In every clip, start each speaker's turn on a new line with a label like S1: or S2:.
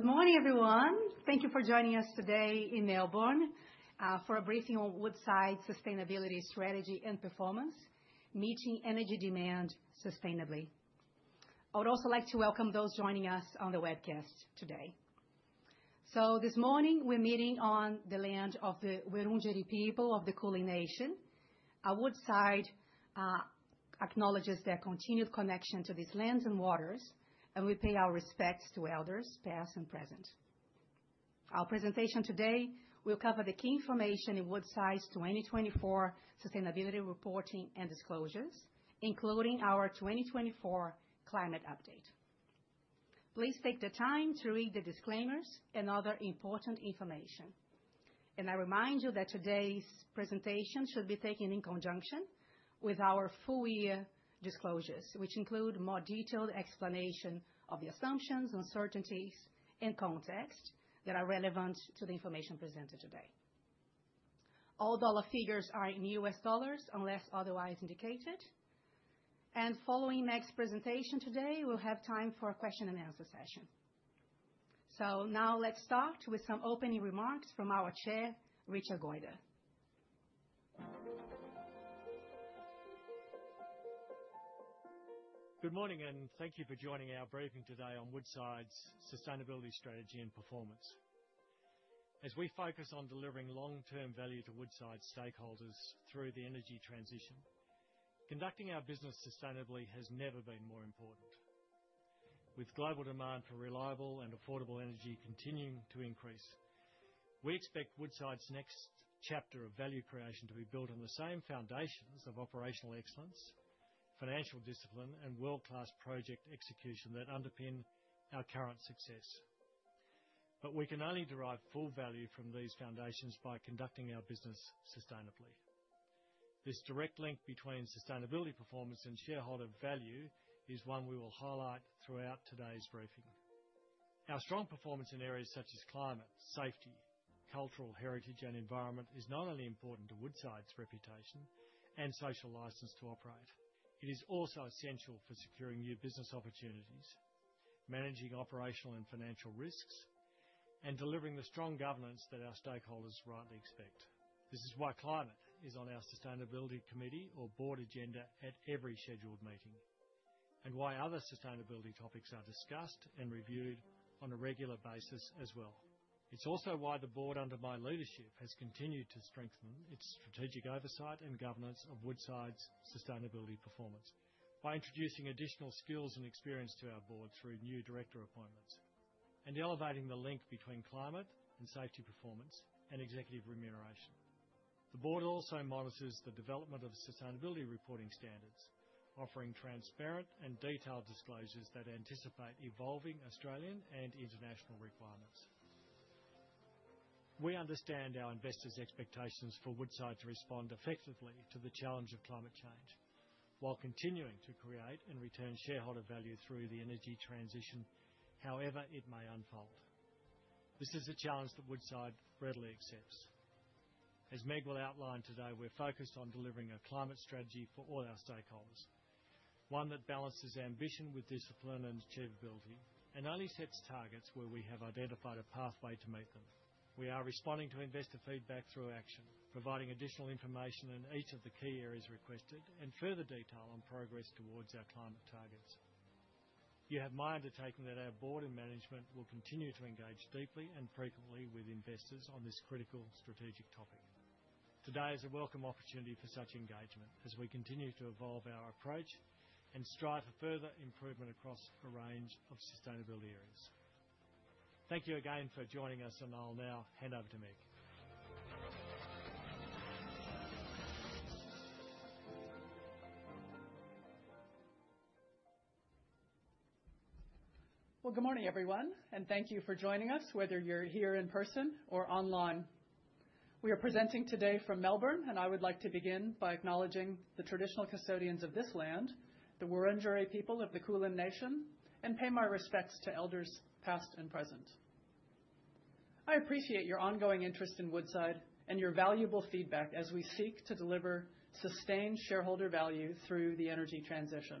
S1: Good morning, everyone. Thank you for joining us today in Melbourne for a briefing on Woodside's Sustainability Strategy and Performance, Meeting Energy Demand Sustainably. I would also like to welcome those joining us on the webcast today. This morning, we're meeting on the land of the Wurundjeri people of the Kulin Nation. Woodside acknowledges their continued connection to these lands and waters, and we pay our respects to elders past and present. Our presentation today will cover the key information in Woodside's 2024 sustainability reporting and disclosures, including our 2024 climate update. Please take the time to read the disclaimers and other important information. I remind you that today's presentation should be taken in conjunction with our full year disclosures, which include a more detailed explanation of the assumptions, uncertainties, and context that are relevant to the information presented today. All dollar figures are in US dollars unless otherwise indicated. Following Meg's presentation today, we'll have time for a question and answer session. Now let's start with some opening remarks from our Chair, Richard Goyder.
S2: Good morning, and thank you for joining our briefing today on Woodside's sustainability strategy and performance. As we focus on delivering long-term value to Woodside stakeholders through the energy transition, conducting our business sustainably has never been more important. With global demand for reliable and affordable energy continuing to increase, we expect Woodside's next chapter of value creation to be built on the same foundations of operational excellence, financial discipline, and world-class project execution that underpin our current success. We can only derive full value from these foundations by conducting our business sustainably. This direct link between sustainability, performance, and shareholder value is one we will highlight throughout today's briefing. Our strong performance in areas such as climate, safety, cultural heritage, and environment is not only important to Woodside's reputation and social license to operate, it is also essential for securing new business opportunities, managing operational and financial risks, and delivering the strong governance that our stakeholders rightly expect. This is why climate is on our sustainability committee or board agenda at every scheduled meeting, and why other sustainability topics are discussed and reviewed on a regular basis as well. It's also why the board under my leadership has continued to strengthen its strategic oversight and governance of Woodside's sustainability performance by introducing additional skills and experience to our board through new director appointments and elevating the link between climate and safety performance and executive remuneration. The board also monitors the development of sustainability reporting standards, offering transparent and detailed disclosures that anticipate evolving Australian and international requirements. We understand our investors' expectations for Woodside to respond effectively to the challenge of climate change while continuing to create and return shareholder value through the energy transition, however it may unfold. This is a challenge that Woodside readily accepts. As Meg will outline today, we're focused on delivering a climate strategy for all our stakeholders, one that balances ambition with discipline and achievability, and only sets targets where we have identified a pathway to meet them. We are responding to investor feedback through action, providing additional information in each of the key areas requested, and further detail on progress towards our climate targets. You have my undertaking that our board and management will continue to engage deeply and frequently with investors on this critical strategic topic. Today is a welcome opportunity for such engagement as we continue to evolve our approach and strive for further improvement across a range of sustainability areas. Thank you again for joining us, and I'll now hand over to Meg.
S3: Good morning, everyone, and thank you for joining us, whether you're here in person or online. We are presenting today from Melbourne, and I would like to begin by acknowledging the traditional custodians of this land, the Wurundjeri people of the Kulin Nation, and pay my respects to elders past and present. I appreciate your ongoing interest in Woodside and your valuable feedback as we seek to deliver sustained shareholder value through the energy transition.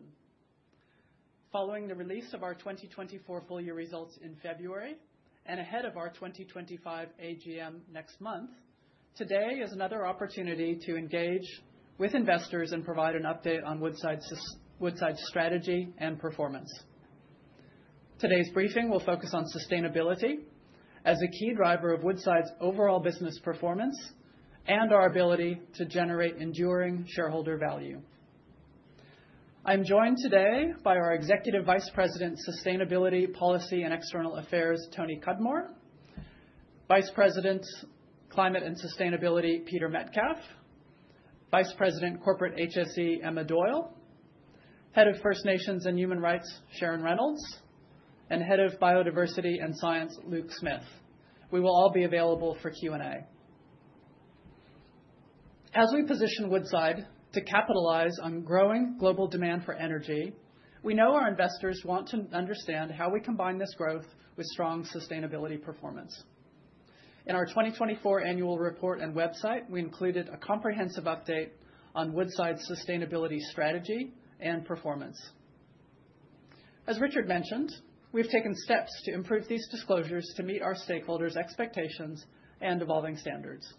S3: Following the release of our 2024 full year results in February and ahead of our 2025 AGM next month, today is another opportunity to engage with investors and provide an update on Woodside's strategy and performance. Today's briefing will focus on sustainability as a key driver of Woodside's overall business performance and our ability to generate enduring shareholder value. I'm joined today by our Executive Vice President, Sustainability, Policy and External Affairs, Tony Cudmore, Vice President, Climate and Sustainability, Peter Metcalfe, Vice President, Corporate HSE, Emma Doyle, Head of First Nations and Human Rights, Sharon Reynolds, and Head of Biodiversity and Science, Luke Smith. We will all be available for Q and A. As we position Woodside to capitalize on growing global demand for energy, we know our investors want to understand how we combine this growth with strong sustainability performance. In our 2024 annual report and website, we included a comprehensive update on Woodside's sustainability strategy and performance. As Richard mentioned, we've taken steps to improve these disclosures to meet our stakeholders' expectations and evolving standards.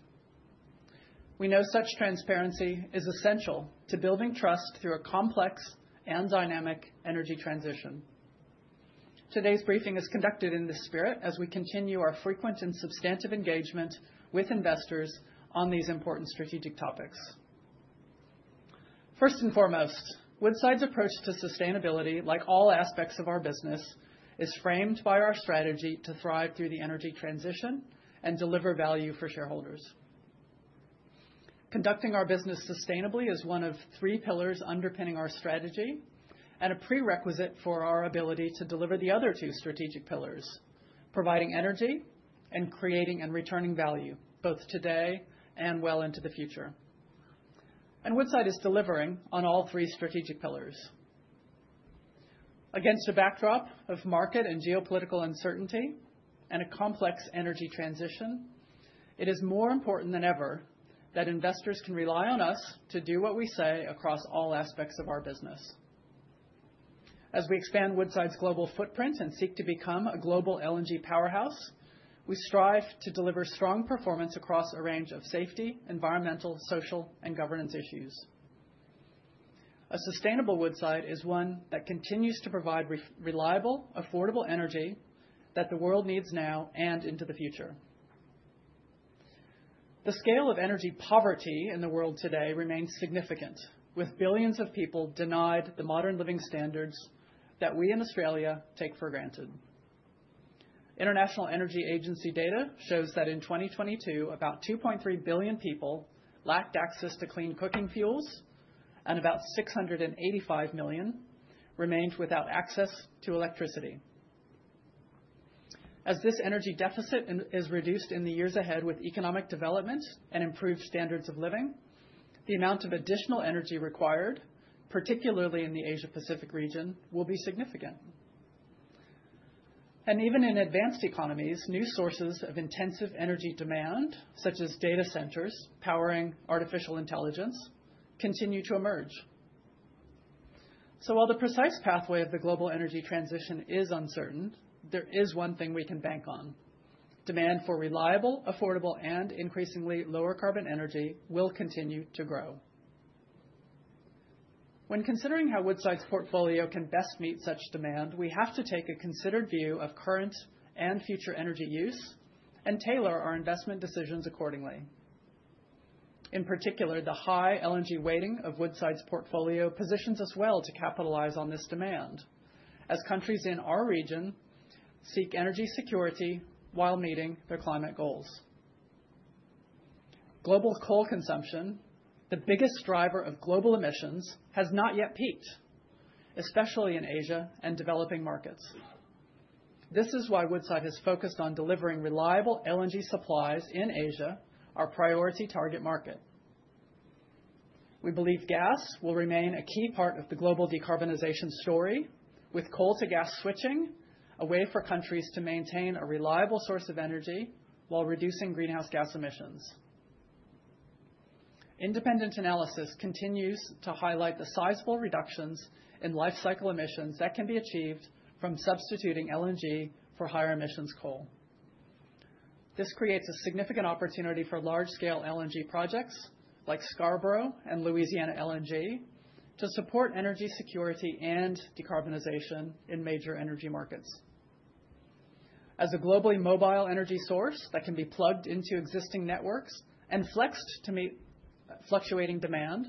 S3: We know such transparency is essential to building trust through a complex and dynamic energy transition. Today's briefing is conducted in this spirit as we continue our frequent and substantive engagement with investors on these important strategic topics. First and foremost, Woodside's approach to sustainability, like all aspects of our business, is framed by our strategy to thrive through the energy transition and deliver value for shareholders. Conducting our business sustainably is one of three pillars underpinning our strategy and a prerequisite for our ability to deliver the other two strategic pillars, providing energy and creating and returning value both today and well into the future. Woodside is delivering on all three strategic pillars. Against a backdrop of market and geopolitical uncertainty and a complex energy transition, it is more important than ever that investors can rely on us to do what we say across all aspects of our business. As we expand Woodside's global footprint and seek to become a global LNG powerhouse, we strive to deliver strong performance across a range of safety, environmental, social, and governance issues. A sustainable Woodside is one that continues to provide reliable, affordable energy that the world needs now and into the future. The scale of energy poverty in the world today remains significant, with billions of people denied the modern living standards that we in Australia take for granted. International Energy Agency data shows that in 2022, about 2.3 billion people lacked access to clean cooking fuels, and about 685 million remained without access to electricity. As this energy deficit is reduced in the years ahead with economic development and improved standards of living, the amount of additional energy required, particularly in the Asia-Pacific region, will be significant. Even in advanced economies, new sources of intensive energy demand, such as data centers powering artificial intelligence, continue to emerge. While the precise pathway of the global energy transition is uncertain, there is one thing we can bank on, demand for reliable, affordable, and increasingly lower carbon energy will continue to grow. When considering how Woodside's portfolio can best meet such demand, we have to take a considered view of current and future energy use and tailor our investment decisions accordingly. In particular, the high LNG weighting of Woodside's portfolio positions us well to capitalize on this demand, as countries in our region seek energy security while meeting their climate goals. Global coal consumption, the biggest driver of global emissions, has not yet peaked, especially in Asia and developing markets. This is why Woodside has focused on delivering reliable LNG supplies in Asia, our priority target market. We believe gas will remain a key part of the global decarbonization story, with coal-to-gas switching a way for countries to maintain a reliable source of energy while reducing greenhouse gas emissions. Independent analysis continues to highlight the sizable reductions in life cycle emissions that can be achieved from substituting LNG for higher emissions coal. This creates a significant opportunity for large-scale LNG projects like Scarborough and Louisiana LNG to support energy security and decarbonization in major energy markets. As a globally mobile energy source that can be plugged into existing networks and flexed to meet fluctuating demand,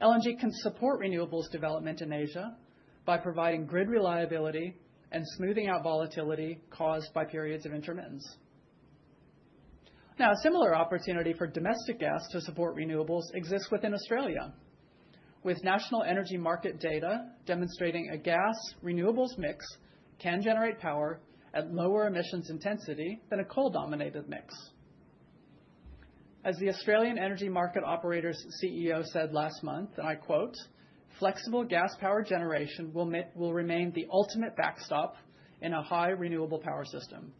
S3: LNG can support renewables development in Asia by providing grid reliability and smoothing out volatility caused by periods of intermittence. Now, a similar opportunity for domestic gas to support renewables exists within Australia, with national energy market data demonstrating a gas-renewables mix can generate power at lower emissions intensity than a coal-dominated mix. As the Australian Energy Market Operator's CEO said last month, and I quote, "Flexible gas power generation will remain the ultimate backstop in a high renewable power system."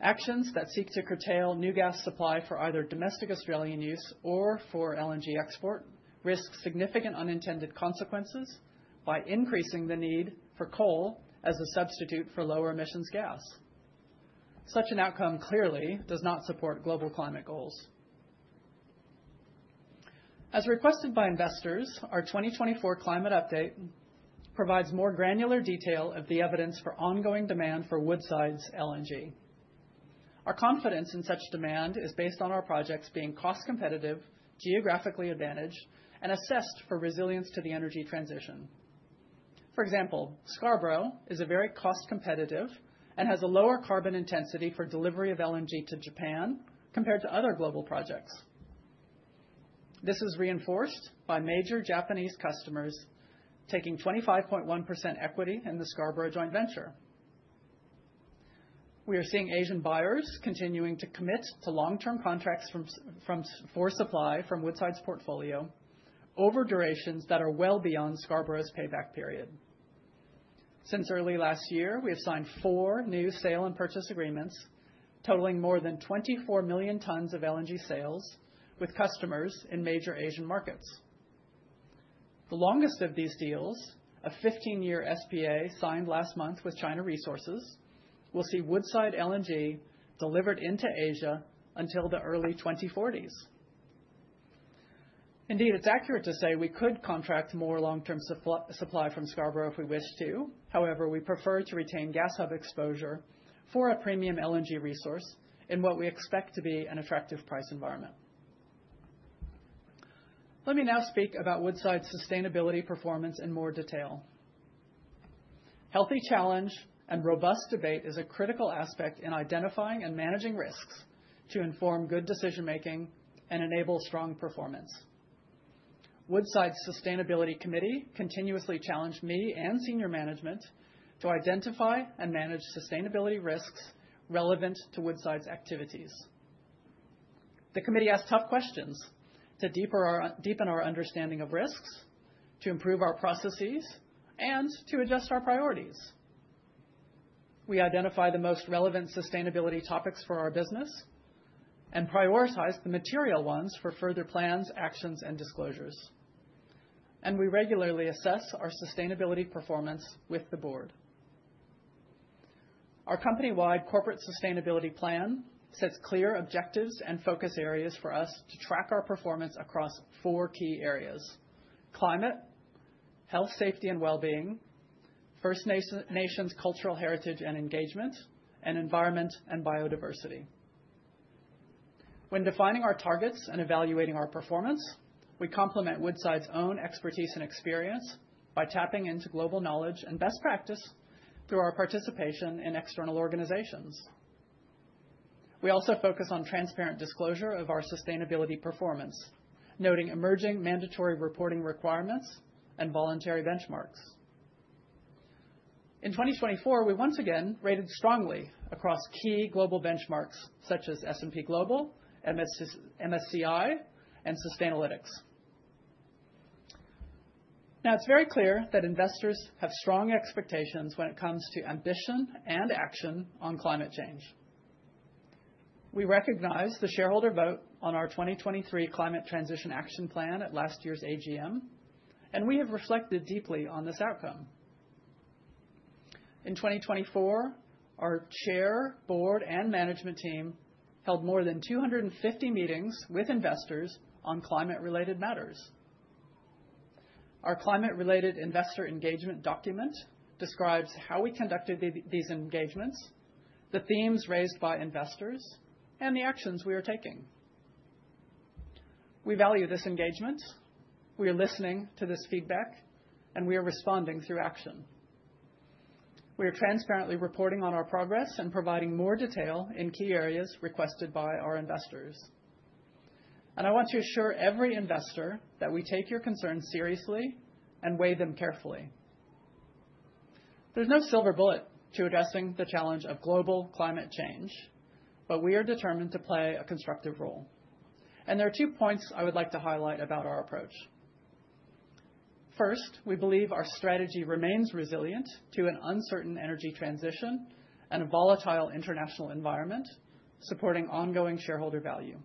S3: Actions that seek to curtail new gas supply for either domestic Australian use or for LNG export risk significant unintended consequences by increasing the need for coal as a substitute for lower emissions gas. Such an outcome clearly does not support global climate goals. As requested by investors, our 2024 climate update provides more granular detail of the evidence for ongoing demand for Woodside's LNG. Our confidence in such demand is based on our projects being cost-competitive, geographically advantaged, and assessed for resilience to the energy transition. For example, Scarborough is very cost-competitive and has a lower carbon intensity for delivery of LNG to Japan compared to other global projects. This is reinforced by major Japanese customers taking 25.1% equity in the Scarborough joint venture. We are seeing Asian buyers continuing to commit to long-term contracts for supply from Woodside's portfolio over durations that are well beyond Scarborough's payback period. Since early last year, we have signed four new sale and purchase agreements totaling more than 24 million tons of LNG sales with customers in major Asian markets. The longest of these deals, a 15-year SPA signed last month with China Resources, will see Woodside LNG delivered into Asia until the early 2040s. Indeed, it's accurate to say we could contract more long-term supply from Scarborough if we wish to. However, we prefer to retain gas hub exposure for a premium LNG resource in what we expect to be an attractive price environment. Let me now speak about Woodside's sustainability performance in more detail. Healthy challenge and robust debate is a critical aspect in identifying and managing risks to inform good decision-making and enable strong performance. Woodside's Sustainability Committee continuously challenged me and senior management to identify and manage sustainability risks relevant to Woodside's activities. The committee asked tough questions to deepen our understanding of risks, to improve our processes, and to adjust our priorities. We identify the most relevant sustainability topics for our business and prioritize the material ones for further plans, actions, and disclosures. We regularly assess our sustainability performance with the board. Our company-wide corporate sustainability plan sets clear objectives and focus areas for us to track our performance across four key areas, climate, health, safety, and well-being, First Nations cultural heritage and engagement, and environment and biodiversity. When defining our targets and evaluating our performance, we complement Woodside's own expertise and experience by tapping into global knowledge and best practice through our participation in external organizations. We also focus on transparent disclosure of our sustainability performance, noting emerging mandatory reporting requirements and voluntary benchmarks. In 2024, we once again rated strongly across key global benchmarks such as S&P Global, MSCI, and Sustainalytics. Now, it's very clear that investors have strong expectations when it comes to ambition and action on climate change. We recognize the shareholder vote on our 2023 climate transition action plan at last year's AGM, and we have reflected deeply on this outcome. In 2024, our Chair, Board, and management team held more than 250 meetings with investors on climate-related matters. Our climate-related investor engagement document describes how we conducted these engagements, the themes raised by investors, and the actions we are taking. We value this engagement. We are listening to this feedback, and we are responding through action. We are transparently reporting on our progress and providing more detail in key areas requested by our investors. I want to assure every investor that we take your concerns seriously and weigh them carefully. There is no silver bullet to addressing the challenge of global climate change, but we are determined to play a constructive role. There are two points I would like to highlight about our approach. First, we believe our strategy remains resilient to an uncertain energy transition and a volatile international environment, supporting ongoing shareholder value.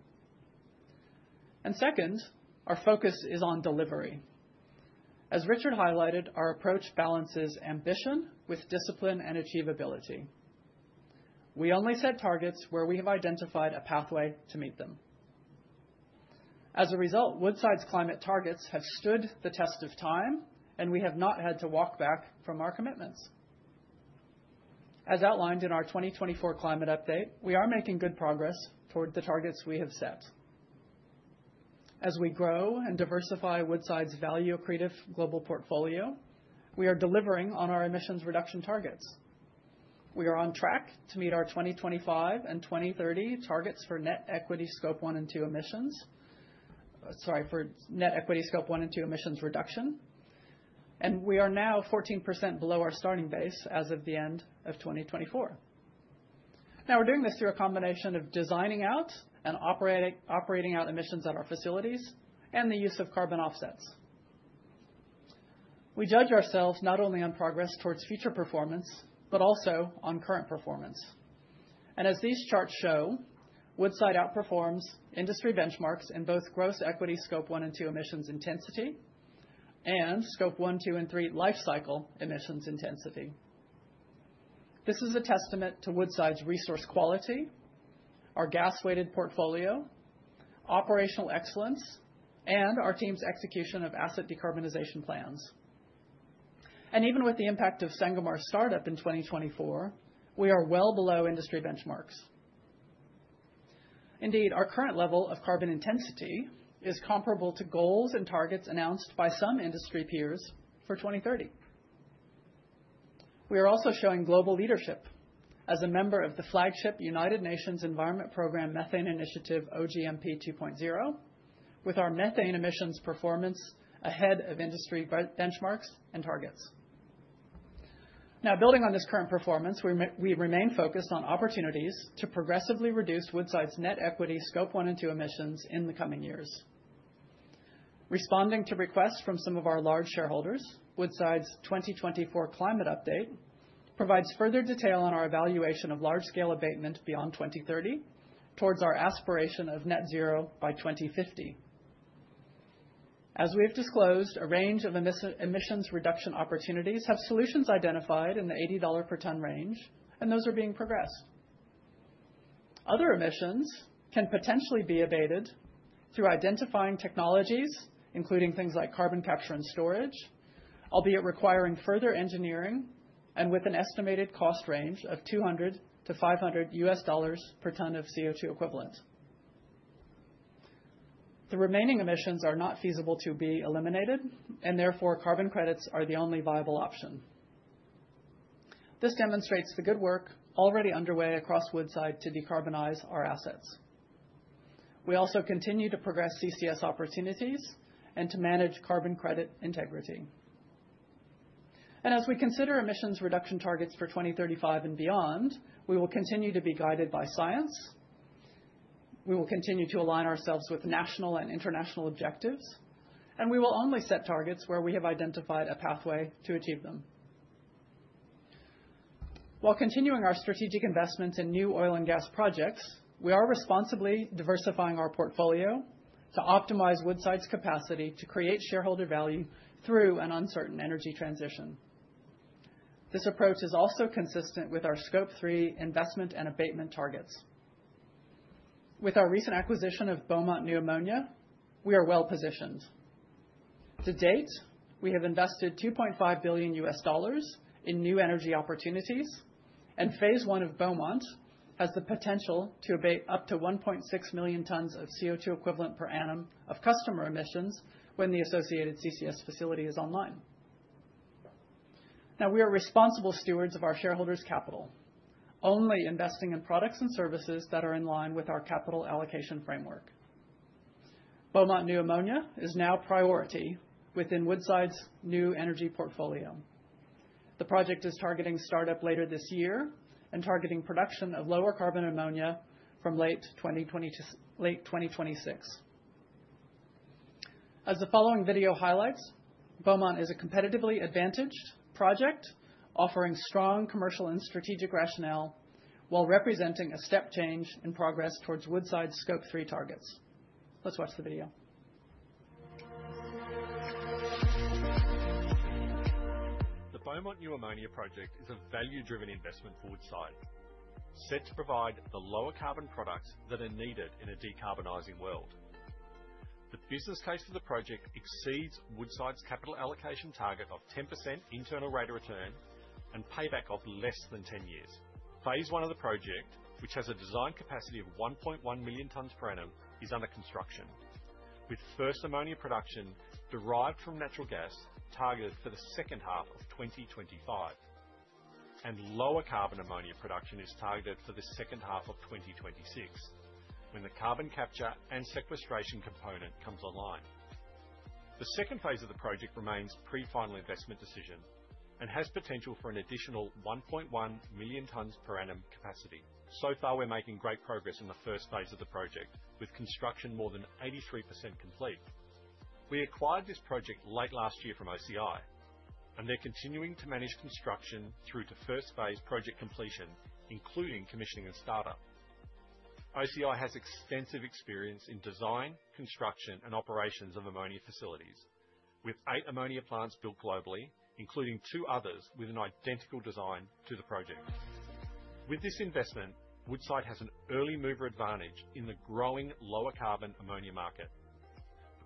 S3: Our focus is on delivery. As Richard highlighted, our approach balances ambition with discipline and achievability. We only set targets where we have identified a pathway to meet them. As a result, Woodside's climate targets have stood the test of time, and we have not had to walk back from our commitments. As outlined in our 2024 climate update, we are making good progress toward the targets we have set. As we grow and diversify Woodside's value-accretive global portfolio, we are delivering on our emissions reduction targets. We are on track to meet our 2025 and 2030 targets for net equity scope one and two emissions reduction. We are now 14% below our starting base as of the end of 2024. Now, we're doing this through a combination of designing out and operating out emissions at our facilities and the use of carbon offsets. We judge ourselves not only on progress towards future performance, but also on current performance. As these charts show, Woodside outperforms industry benchmarks in both gross equity scope one and two emissions intensity and scope one, two, and three life cycle emissions intensity. This is a testament to Woodside's resource quality, our gas-weighted portfolio, operational excellence, and our team's execution of asset decarbonization plans. Even with the impact of Sangomar's startup in 2024, we are well below industry benchmarks. Indeed, our current level of carbon intensity is comparable to goals and targets announced by some industry peers for 2030. We are also showing global leadership as a member of the flagship United Nations Environment Program Methane Initiative OGMP 2.0, with our methane emissions performance ahead of industry benchmarks and targets. Now, building on this current performance, we remain focused on opportunities to progressively reduce Woodside's net equity Scope 1 and 2 emissions in the coming years. Responding to requests from some of our large shareholders, Woodside's 2024 climate update provides further detail on our evaluation of large-scale abatement beyond 2030 towards our aspiration of net zero by 2050. As we have disclosed, a range of emissions reduction opportunities have solutions identified in the $80 per ton range, and those are being progressed. Other emissions can potentially be abated through identifying technologies, including things like carbon capture and storage, albeit requiring further engineering and with an estimated cost range of $200 to $500 per ton of CO2 equivalent. The remaining emissions are not feasible to be eliminated, and therefore carbon credits are the only viable option. This demonstrates the good work already underway across Woodside to decarbonize our assets. We also continue to progress CCS opportunities and to manage carbon credit integrity. As we consider emissions reduction targets for 2035 and beyond, we will continue to be guided by science. We will continue to align ourselves with national and international objectives, and we will only set targets where we have identified a pathway to achieve them. While continuing our strategic investments in new oil and gas projects, we are responsibly diversifying our portfolio to optimize Woodside's capacity to create shareholder value through an uncertain energy transition. This approach is also consistent with our Scope 3 investment and abatement targets. With our recent acquisition of Beaumont New Ammonia, we are well positioned. To date, we have invested $2.5 billion in new energy opportunities, and phase one of Beaumont has the potential to abate up to 1.6 million tons of CO2 equivalent per annum of customer emissions when the associated CCS facility is online. Now, we are responsible stewards of our shareholders' capital, only investing in products and services that are in line with our capital allocation framework. Beaumont New Ammonia is now priority within Woodside's new energy portfolio. The project is targeting startup later this year and targeting production of lower carbon ammonia from late 2026. As the following video highlights, Beaumont is a competitively advantaged project offering strong commercial and strategic rationale while representing a step change in progress towards Woodside's scope 3 targets. Let's watch the video.
S4: The Beaumont New Ammonia project is a value-driven investment for Woodside, set to provide the lower carbon products that are needed in a decarbonizing world. The business case for the project exceeds Woodside's capital allocation target of 10% internal rate of return and payback of less than 10 years. Phase 1 of the project, which has a design capacity of 1.1 million tons per annum, is under construction, with first ammonia production derived from natural gas targeted for the second half of 2025. Lower carbon ammonia production is targeted for the second half of 2026, when the carbon capture and sequestration component comes online. The second phase of the project remains pre-final investment decision and has potential for an additional 1.1 million tons per annum capacity. So far, we're making great progress in the first phase of the project, with construction more than 83% complete. We acquired this project late last year from OCI, and they're continuing to manage construction through to first phase project completion, including commissioning and startup. OCI has extensive experience in design, construction, and operations of ammonia facilities, with eight ammonia plants built globally, including two others with an identical design to the project. With this investment, Woodside has an early mover advantage in the growing lower carbon ammonia market.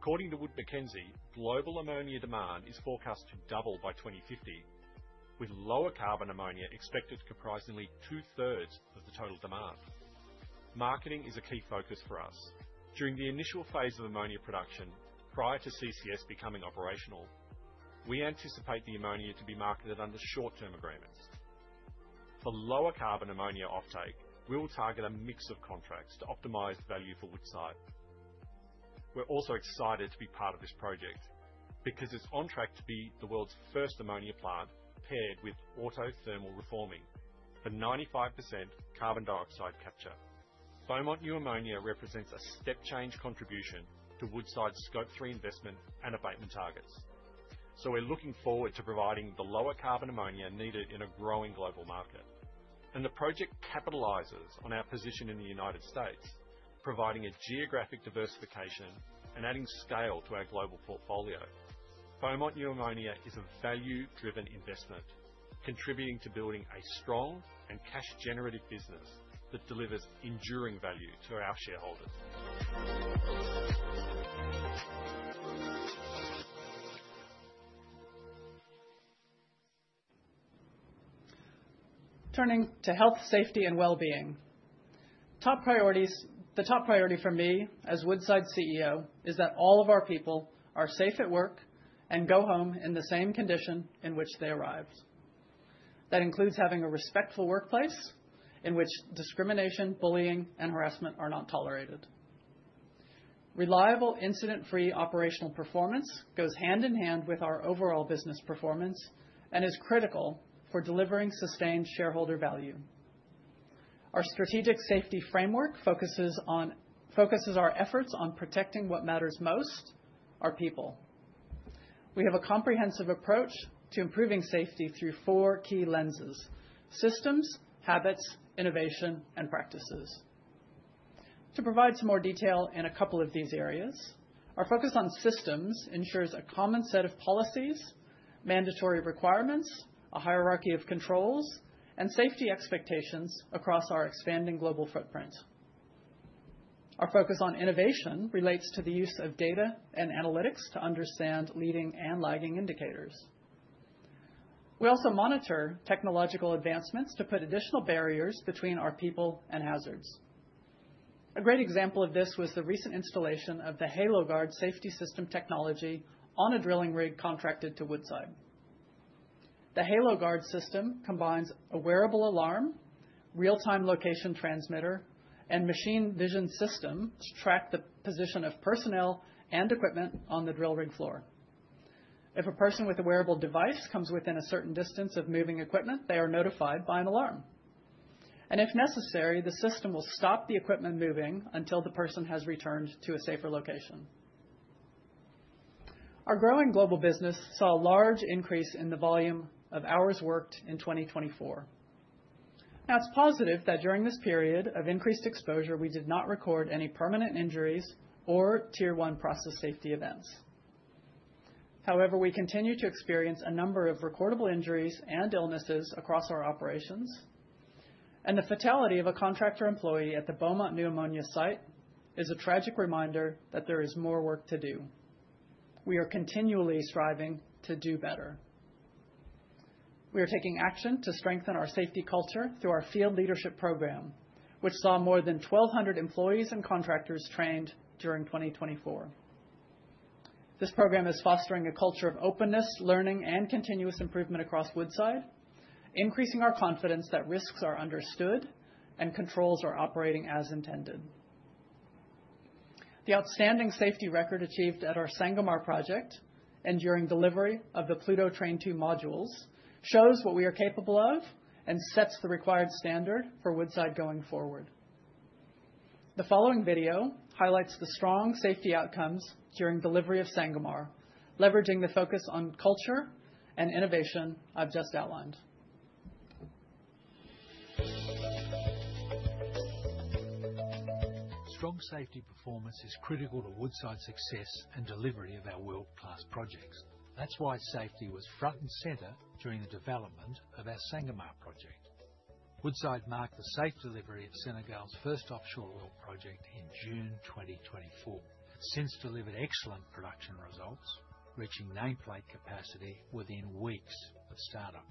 S4: According to Wood Mackenzie, global ammonia demand is forecast to double by 2050, with lower carbon ammonia expected to comprise nearly two-thirds of the total demand. Marketing is a key focus for us. During the initial phase of ammonia production, prior to CCS becoming operational, we anticipate the ammonia to be marketed under short-term agreements. For lower carbon ammonia offtake, we will target a mix of contracts to optimize value for Woodside. We're also excited to be part of this project because it's on track to be the world's first ammonia plant paired with autothermal reforming for 95% carbon dioxide capture. Beaumont New Ammonia represents a step-change contribution to Woodside's scope three investment and abatement targets. We're looking forward to providing the lower carbon ammonia needed in a growing global market. The project capitalizes on our position in the United States, providing a geographic diversification and adding scale to our global portfolio. Beaumont New Ammonia is a value-driven investment, contributing to building a strong and cash-generative business that delivers enduring value to our shareholders.
S3: Turning to health, safety, and well-being. Top priorities, the top priority for me as Woodside CEO, is that all of our people are safe at work and go home in the same condition in which they arrived. That includes having a respectful workplace in which discrimination, bullying, and harassment are not tolerated. Reliable, incident-free operational performance goes hand in hand with our overall business performance and is critical for delivering sustained shareholder value. Our strategic safety framework focuses our efforts on protecting what matters most, our people. We have a comprehensive approach to improving safety through four key lenses, systems, habits, innovation, and practices. To provide some more detail in a couple of these areas, our focus on systems ensures a common set of policies, mandatory requirements, a hierarchy of controls, and safety expectations across our expanding global footprint. Our focus on innovation relates to the use of data and analytics to understand leading and lagging indicators. We also monitor technological advancements to put additional barriers between our people and hazards. A great example of this was the recent installation of the HaloGuard safety system technology on a drilling rig contracted to Woodside. The HaloGuard system combines a wearable alarm, real-time location transmitter, and machine vision system to track the position of personnel and equipment on the drill rig floor. If a person with a wearable device comes within a certain distance of moving equipment, they are notified by an alarm. If necessary, the system will stop the equipment moving until the person has returned to a safer location. Our growing global business saw a large increase in the volume of hours worked in 2024. Now, it's positive that during this period of increased exposure, we did not record any permanent injuries or tier one process safety events. However, we continue to experience a number of recordable injuries and illnesses across our operations. The fatality of a contractor employee at the Beaumont New Ammonia site is a tragic reminder that there is more work to do. We are continually striving to do better. We are taking action to strengthen our safety culture through our field leadership program, which saw more than 1,200 employees and contractors trained during 2024. This program is fostering a culture of openness, learning, and continuous improvement across Woodside, increasing our confidence that risks are understood and controls are operating as intended. The outstanding safety record achieved at our Sangomar project and during delivery of the Pluto Train II modules shows what we are capable of and sets the required standard for Woodside going forward. The following video highlights the strong safety outcomes during delivery of Sangomar, leveraging the focus on culture and innovation I've just outlined.
S4: Strong safety performance is critical to Woodside's success and delivery of our world-class projects. That's why safety was front and center during the development of our Sangomar project. Woodside marked the safe delivery of Senegal's first offshore oil project in June 2024. It's since delivered excellent production results, reaching nameplate capacity within weeks of startup.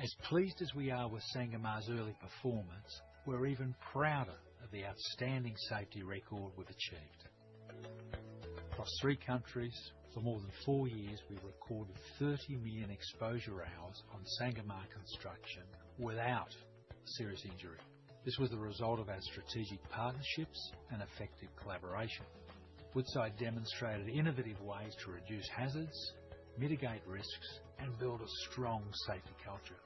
S4: As pleased as we are with Sangomar's early performance, we're even prouder of the outstanding safety record we've achieved. Across three countries, for more than four years, we recorded 30 million exposure hours on Sangomar construction without serious injury. This was the result of our strategic partnerships and effective collaboration. Woodside demonstrated innovative ways to reduce hazards, mitigate risks, and build a strong safety culture.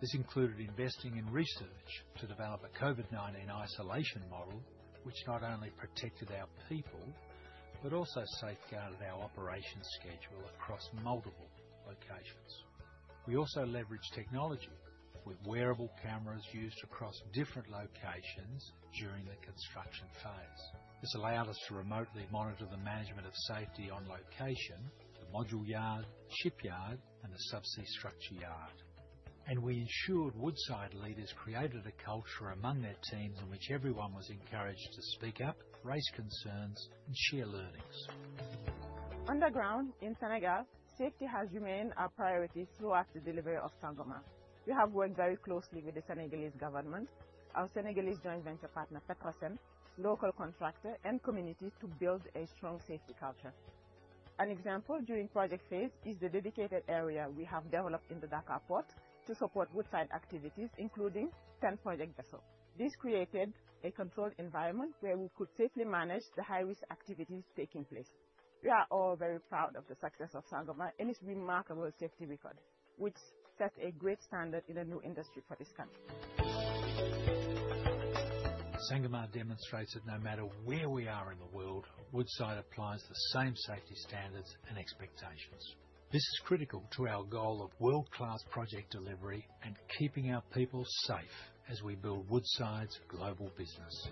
S4: This included investing in research to develop a COVID-19 isolation model, which not only protected our people, but also safeguarded our operation schedule across multiple locations. We also leveraged technology with wearable cameras used across different locations during the construction phase. This allowed us to remotely monitor the management of safety on location: the module yard, the shipyard, and the subsea structure yard. We ensured Woodside leaders created a culture among their teams in which everyone was encouraged to speak up, raise concerns, and share learnings. Underground in Senegal, safety has remained our priority throughout the delivery of Sangomar. We have worked very closely with the Senegalese Government, our Senegalese joint venture partner Petrosen, local contractor, and community to build a strong safety culture. An example during project phase is the dedicated area we have developed in the Dakar port to support Woodside activities, including 10 project vessels. This created a controlled environment where we could safely manage the high-risk activities taking place. We are all very proud of the success of Sangomar and its remarkable safety record, which sets a great standard in a new industry for this country. Sangomar demonstrated no matter where we are in the world, Woodside applies the same safety standards and expectations. This is critical to our goal of world-class project delivery and keeping our people safe as we build Woodside's global business.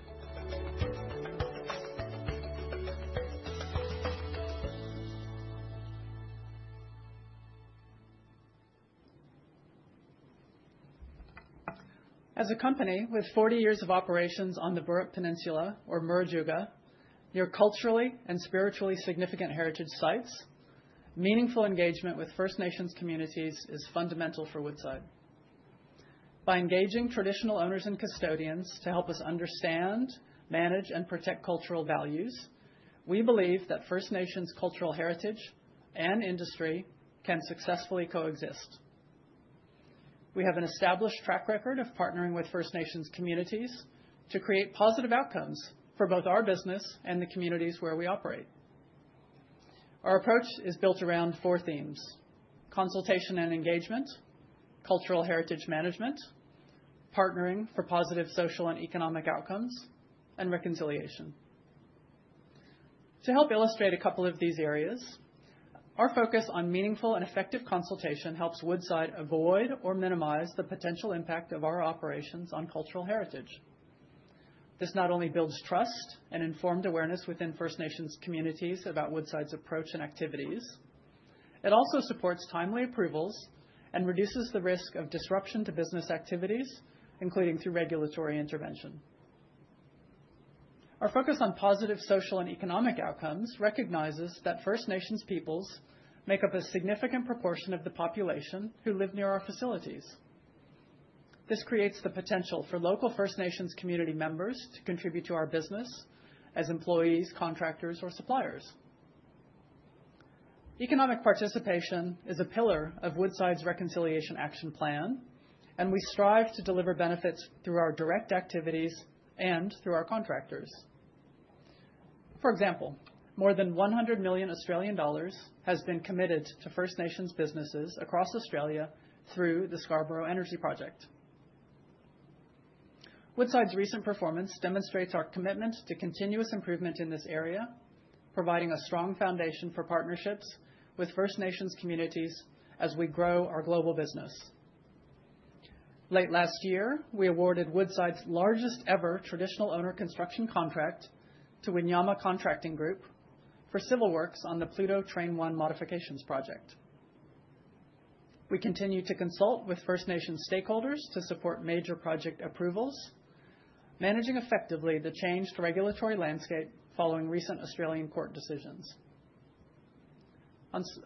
S3: As a company with 40 years of operations on the Burrup Peninsula, or Murujuga, near culturally and spiritually significant heritage sites, meaningful engagement with First Nations communities is fundamental for Woodside. By engaging traditional owners and custodians to help us understand, manage, and protect cultural values, we believe that First Nations cultural heritage and industry can successfully coexist. We have an established track record of partnering with First Nations communities to create positive outcomes for both our business and the communities where we operate. Our approach is built around four themes, consultation and engagement, cultural heritage management, partnering for positive social and economic outcomes, and reconciliation. To help illustrate a couple of these areas, our focus on meaningful and effective consultation helps Woodside avoid or minimize the potential impact of our operations on cultural heritage. This not only builds trust and informed awareness within First Nations communities about Woodside's approach and activities, it also supports timely approvals and reduces the risk of disruption to business activities, including through regulatory intervention. Our focus on positive social and economic outcomes recognizes that First Nations peoples make up a significant proportion of the population who live near our facilities. This creates the potential for local First Nations community members to contribute to our business as employees, contractors, or suppliers. Economic participation is a pillar of Woodside's reconciliation action plan, and we strive to deliver benefits through our direct activities and through our contractors. For example, more than 100 million Australian dollars has been committed to First Nations businesses across Australia through the Scarborough Energy Project. Woodside's recent performance demonstrates our commitment to continuous improvement in this area, providing a strong foundation for partnerships with First Nations communities as we grow our global business. Late last year, we awarded Woodside's largest ever traditional owner construction contract to Winyama Contracting Group for civil works on the Pluto Train I modifications project. We continue to consult with First Nations stakeholders to support major project approvals, managing effectively the changed regulatory landscape following recent Australian court decisions.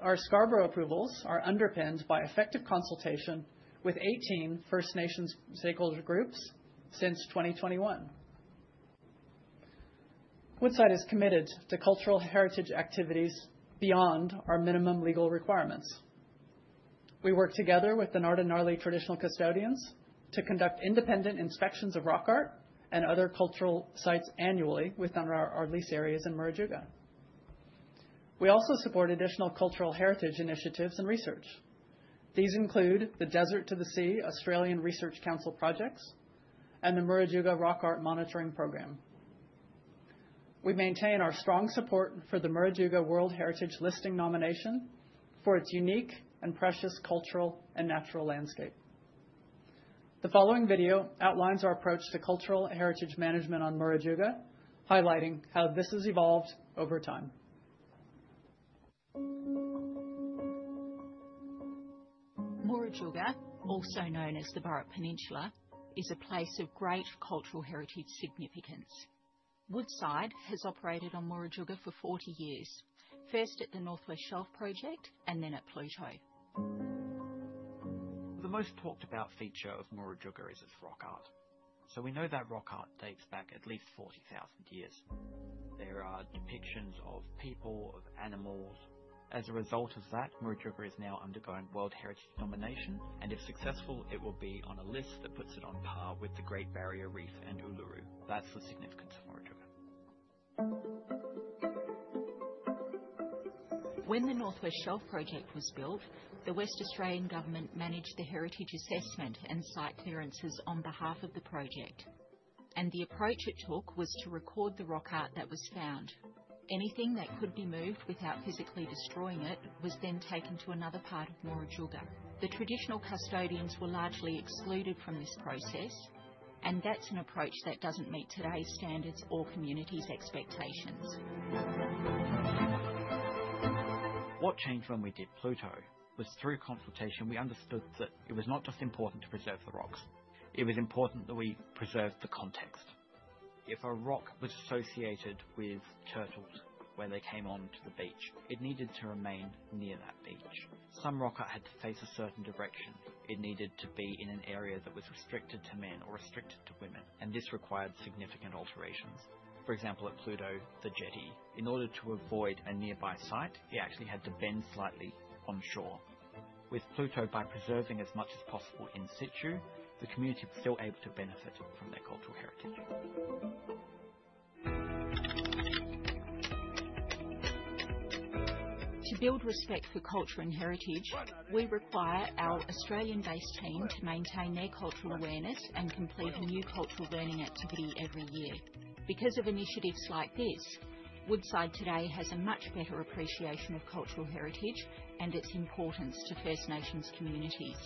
S3: Our Scarborough approvals are underpinned by effective consultation with 18 First Nations stakeholder groups since 2021. Woodside is committed to cultural heritage activities beyond our minimum legal requirements. We work together with the Ngarrindjeri traditional custodians to conduct independent inspections of rock art and other cultural sites annually within our lease areas in Murujuga. We also support additional cultural heritage initiatives and research. These include the Desert to the Sea Australian Research Council projects and the Murujuga Rock Art Monitoring Program. We maintain our strong support for the Murujuga World Heritage Listing nomination for its unique and precious cultural and natural landscape. The following video outlines our approach to cultural heritage management on Murujuga, highlighting how this has evolved over time.
S4: Murujuga, also known as the Burrup Peninsula, is a place of great cultural heritage significance. Woodside has operated on Murujuga for 40 years, first at the Northwest Shelf project and then at Pluto. The most talked-about feature of Murujuga is its rock art. We know that rock art dates back at least 40,000 years. There are depictions of people, of animals. As a result of that, Murujuga is now undergoing World Heritage Nomination, and if successful, it will be on a list that puts it on par with the Great Barrier Reef and Uluru. That's the significance of Murujuga. When the North west Shelf project was built, the West Australian government managed the heritage assessment and site clearances on behalf of the project. The approach it took was to record the rock art that was found. Anything that could be moved without physically destroying it was then taken to another part of Murujuga. The traditional custodians were largely excluded from this process, and that's an approach that doesn't meet today's standards or communities' expectations. What changed when we did Pluto was through consultation, we understood that it was not just important to preserve the rocks. It was important that we preserved the context. If a rock was associated with turtles when they came onto the beach, it needed to remain near that beach. Some rock art had to face a certain direction. It needed to be in an area that was restricted to men or restricted to women, and this required significant alterations. For example, at Pluto, the Jetty, in order to avoid a nearby site, it actually had to bend slightly on shore. With Pluto, by preserving as much as possible in Situ, the community was still able to benefit from their cultural heritage. To build respect for culture and heritage, we require our Australian-based team to maintain their cultural awareness and complete a new cultural learning activity every year. Because of initiatives like this, Woodside today has a much better appreciation of cultural heritage and its importance to First Nations communities.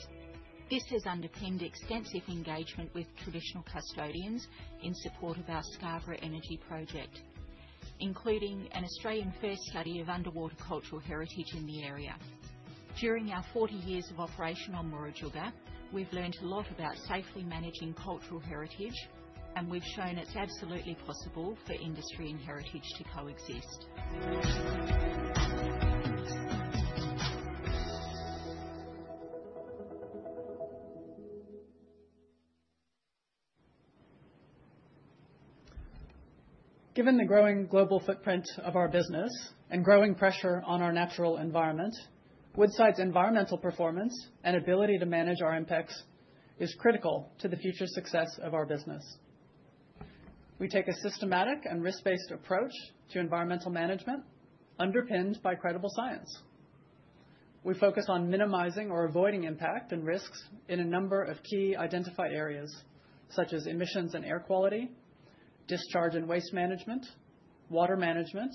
S4: This has underpinned extensive engagement with traditional custodians in support of our Scarborough Energy Project, including an Australian-first study of underwater cultural heritage in the area. During our 40 years of operation on Murujuga, we've learned a lot about safely managing cultural heritage, and we've shown it's absolutely possible for industry and heritage to coexist.
S3: Given the growing global footprint of our business and growing pressure on our natural environment, Woodside's environmental performance and ability to manage our impacts is critical to the future success of our business. We take a systematic and risk-based approach to environmental management, underpinned by credible science. We focus on minimizing or avoiding impact and risks in a number of key identified areas, such as emissions and air quality, discharge and waste management, water management,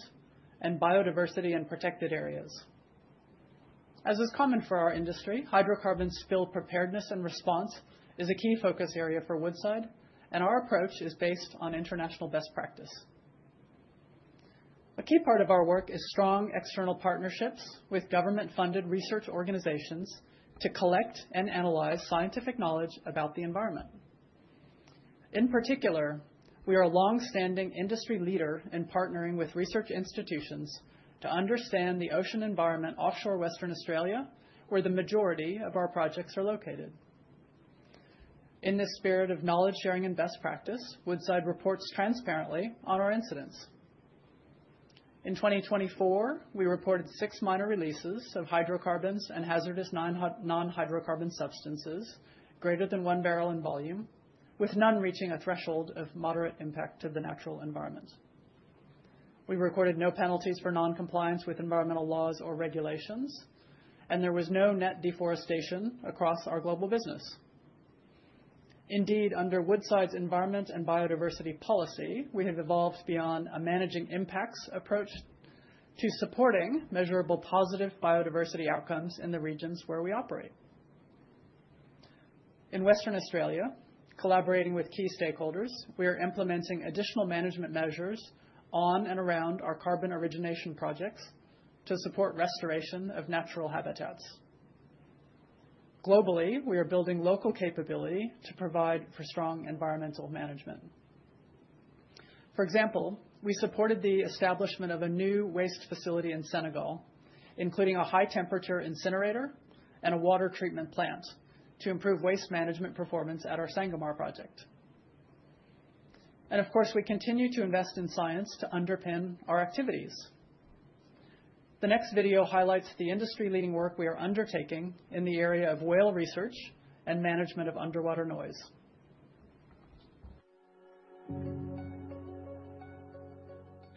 S3: and biodiversity and protected areas. As is common for our industry, hydrocarbon spill preparedness and response is a key focus area for Woodside, and our approach is based on international best practice. A key part of our work is strong external partnerships with government-funded research organizations to collect and analyze scientific knowledge about the environment. In particular, we are a long-standing industry leader in partnering with research institutions to understand the ocean environment offshore Western Australia, where the majority of our projects are located. In this spirit of knowledge-sharing and best practice, Woodside reports transparently on our incidents. In 2024, we reported six minor releases of hydrocarbons and hazardous non-hydrocarbon substances greater than one barrel in volume, with none reaching a threshold of moderate impact to the natural environment. We recorded no penalties for non-compliance with environmental laws or regulations, and there was no net deforestation across our global business. Indeed, under Woodside's environment and biodiversity policy, we have evolved beyond a managing impacts approach to supporting measurable positive biodiversity outcomes in the regions where we operate. In Western Australia, collaborating with key stakeholders, we are implementing additional management measures on and around our carbon origination projects to support restoration of natural habitats. Globally, we are building local capability to provide for strong environmental management. For example, we supported the establishment of a new waste facility in Senegal, including a high-temperature incinerator and a water treatment plant to improve waste management performance at our Sangomar project. Of course, we continue to invest in science to underpin our activities. The next video highlights the industry-leading work we are undertaking in the area of whale research and management of underwater noise.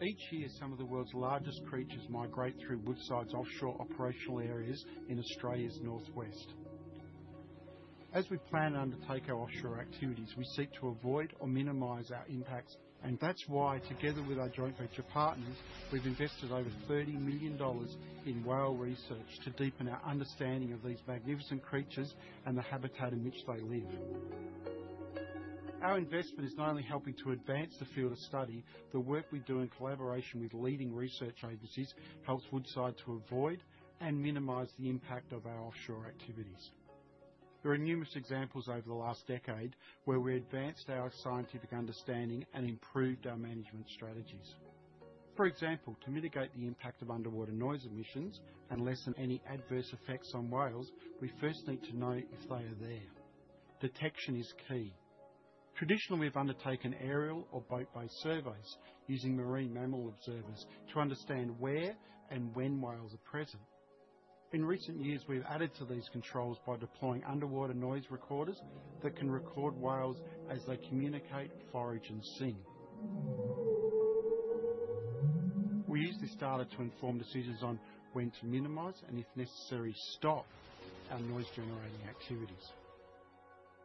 S4: Each year some of the world's largest creatures migrate through Woodside's offshore operational areas in Australia's northwest. As we plan and undertake our offshore activities, we seek to avoid or minimize our impacts, and that's why, together with our joint venture partners, we've invested over $30 million in whale research to deepen our understanding of these magnificent creatures and the habitat in which they live. Our investment is not only helping to advance the field of study, the work we do in collaboration with leading research agencies helps Woodside to avoid and minimize the impact of our offshore activities. There are numerous examples over the last decade where we advanced our scientific understanding and improved our management strategies. For example, to mitigate the impact of underwater noise emissions and lessen any adverse effects on whales, we first need to know if they are there. Detection is key. Traditionally, we have undertaken aerial or boat-based surveys using marine mammal observers to understand where and when whales are present. In recent years, we have added to these controls by deploying underwater noise recorders that can record whales as they communicate, forage, and sing. We use this data to inform decisions on when to minimize and, if necessary, stop our noise-generating activities.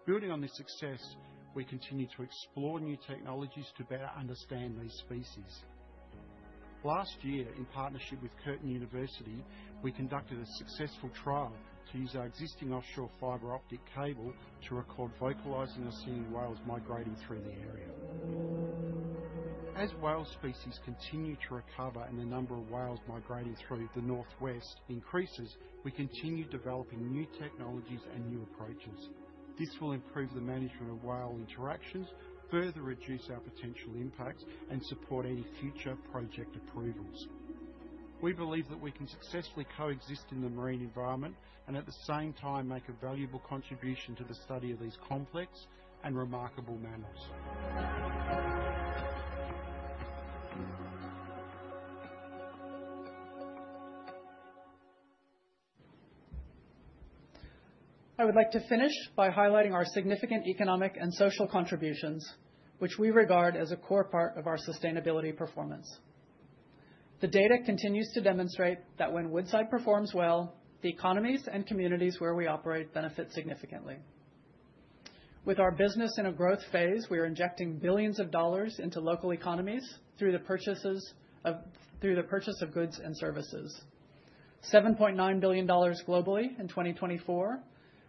S4: Building on this success, we continue to explore new technologies to better understand these species. Last year, in partnership with Curtin University, we conducted a successful trial to use our existing offshore fiber optic cable to record vocalizing or singing whales migrating through the area. As whale species continue to recover and the number of whales migrating through the northwest increases, we continue developing new technologies and new approaches. This will improve the management of whale interactions, further reduce our potential impacts, and support any future project approvals. We believe that we can successfully coexist in the marine environment and, at the same time, make a valuable contribution to the study of these complex and remarkable mammals.
S3: I would like to finish by highlighting our significant economic and social contributions, which we regard as a core part of our sustainability performance. The data continues to demonstrate that when Woodside performs well, the economies and communities where we operate benefit significantly. With our business in a growth phase, we are injecting billions of dollars into local economies through the purchases of goods and services: $7.9 billion globally in 2024,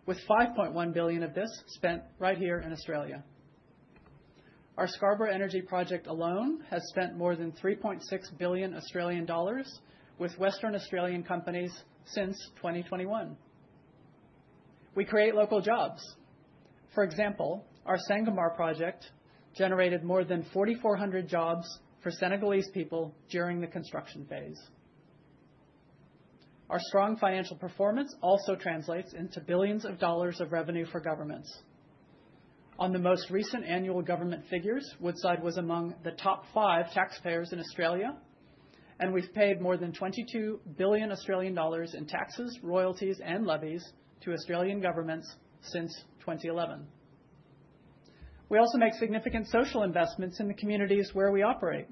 S3: with $5.1 billion of this spent right here in Australia. Our Scarborough Energy Project alone has spent more than 3.6 billion Australian dollars with Western Australian companies since 2021. We create local jobs. For example, our Sangomar project generated more than 4,400 jobs for Senegalese people during the construction phase. Our strong financial performance also translates into billions of dollars of revenue for governments. On the most recent annual government figures, Woodside was among the top five taxpayers in Australia, and we've paid more than 22 billion Australian dollars in taxes, royalties, and levies to Australian governments since 2011. We also make significant social investments in the communities where we operate.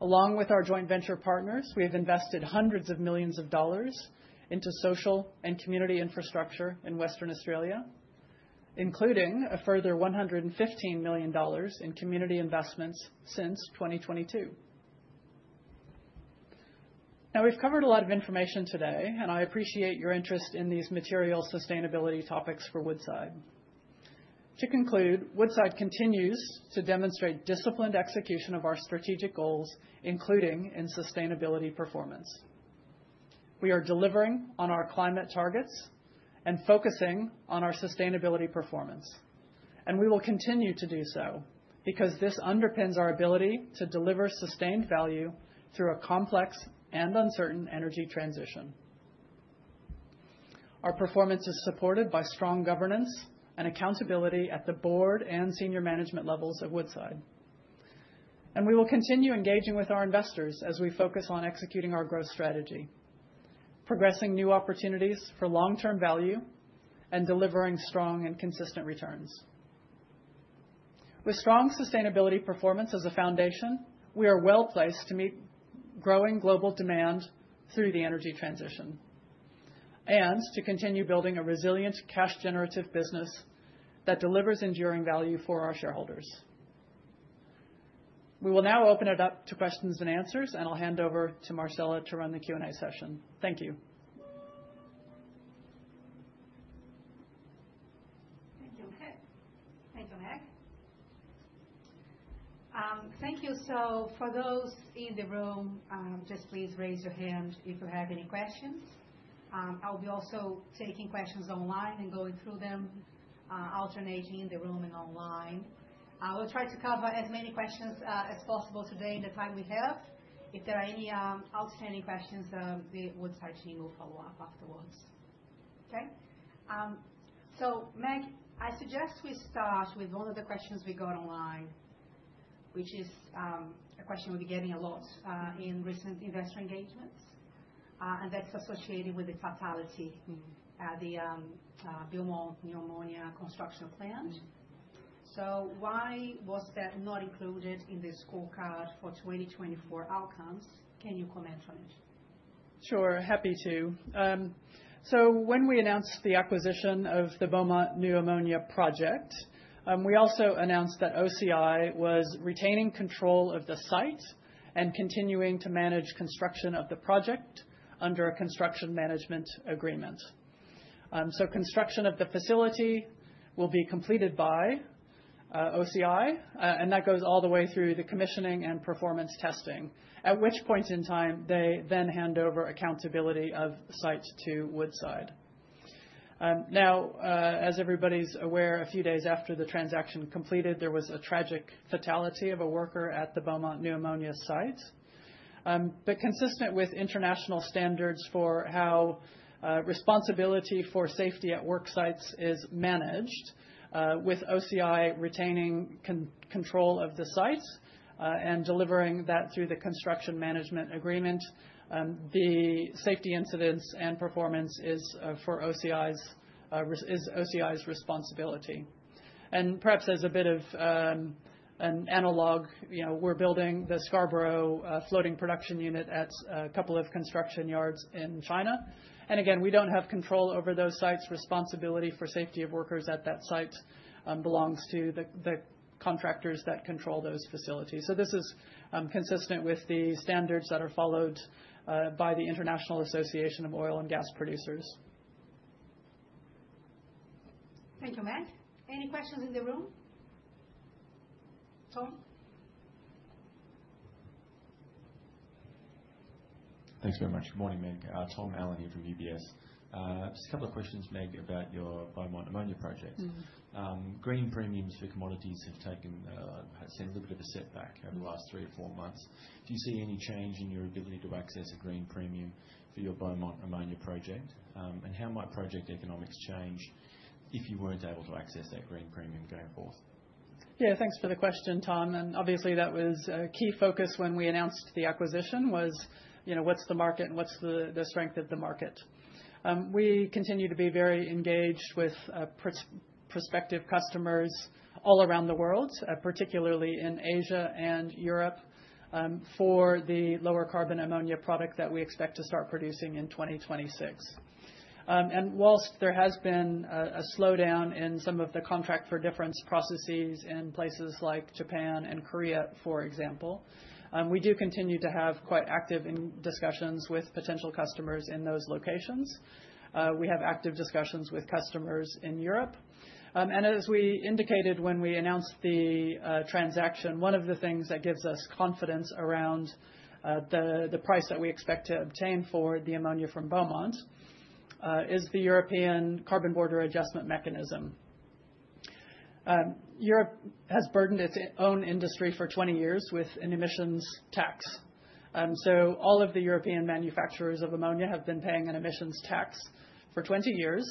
S3: Along with our joint venture partners, we have invested hundreds of millions of dollars into social and community infrastructure in Western Australia, including a further $115 million in community investments since 2022. We have covered a lot of information today, and I appreciate your interest in these material sustainability topics for Woodside. To conclude, Woodside continues to demonstrate disciplined execution of our strategic goals, including in sustainability performance. We are delivering on our climate targets and focusing on our sustainability performance, and we will continue to do so because this underpins our ability to deliver sustained value through a complex and uncertain energy transition. Our performance is supported by strong governance and accountability at the board and senior management levels of Woodside. We will continue engaging with our investors as we focus on executing our growth strategy, progressing new opportunities for long-term value, and delivering strong and consistent returns. With strong sustainability performance as a foundation, we are well placed to meet growing global demand through the energy transition and to continue building a resilient cash-generative business that delivers enduring value for our shareholders. We will now open it up to questions and answers, and I'll hand over to Marcella to run the Q and A session. Thank you.
S1: Thank you, Meg. Thank you. For those in the room, just please raise your hand if you have any questions. I'll be also taking questions online and going through them, alternating in the room and online. I will try to cover as many questions as possible today in the time we have. If there are any outstanding questions, we would certainly follow up afterwards. Okay? Meg, I suggest we start with one of the questions we got online, which is a question we've been getting a lot in recent investor engagements, and that's associated with the fatality in the Beaumont New Ammonia construction plant. Why was that not included in the scorecard for 2024 outcomes? Can you comment on it?
S3: Sure. Happy to. When we announced the acquisition of the Beaumont New Ammonia project, we also announced that OCI was retaining control of the site and continuing to manage construction of the project under a construction management agreement. Construction of the facility will be completed by OCI, and that goes all the way through the commissioning and performance testing, at which point in time they then hand over accountability of site to Woodside. Now, as everybody's aware, a few days after the transaction completed, there was a tragic fatality of a worker at the Beaumont New Ammonia site. Consistent with international standards for how responsibility for safety at work sites is managed, with OCI retaining control of the site and delivering that through the construction management agreement, the safety incidents and performance is OCI's responsibility. Perhaps as a bit of an analog, we're building the Scarborough Floating Production Unit at a couple of construction yards in China. Again, we don't have control over those sites. Responsibility for safety of workers at that site belongs to the contractors that control those facilities. This is consistent with the standards that are followed by the International Association of Oil and Gas Producers.
S1: Thank you, Meg. Any questions in the room? Tom?
S5: Thanks very much. Good morning, Meg. Tom Allen here from UBS. Just a couple of questions, Meg, about your Beaumont Ammonia Project. Green premiums for commodities have taken a bit of a setback over the last three or four months. Do you see any change in your ability to access a green premium for your Beaumont Ammonia Project? How might project economics change if you were not able to access that green premium going forth?
S3: Yeah, thanks for the question, Tom. Obviously, that was a key focus when we announced the acquisition was what's the market and what's the strength of the market. We continue to be very engaged with prospective customers all around the world, particularly in Asia and Europe, for the lower carbon ammonia product that we expect to start producing in 2026. Whilst there has been a slowdown in some of the contract for difference processes in places like Japan and Korea, for example, we do continue to have quite active discussions with potential customers in those locations. We have active discussions with customers in Europe. As we indicated when we announced the transaction, one of the things that gives us confidence around the price that we expect to obtain for the ammonia from Beaumont is the European carbon border adjustment mechanism. Europe has burdened its own industry for 20 years with an emissions tax. All of the European manufacturers of ammonia have been paying an emissions tax for 20 years.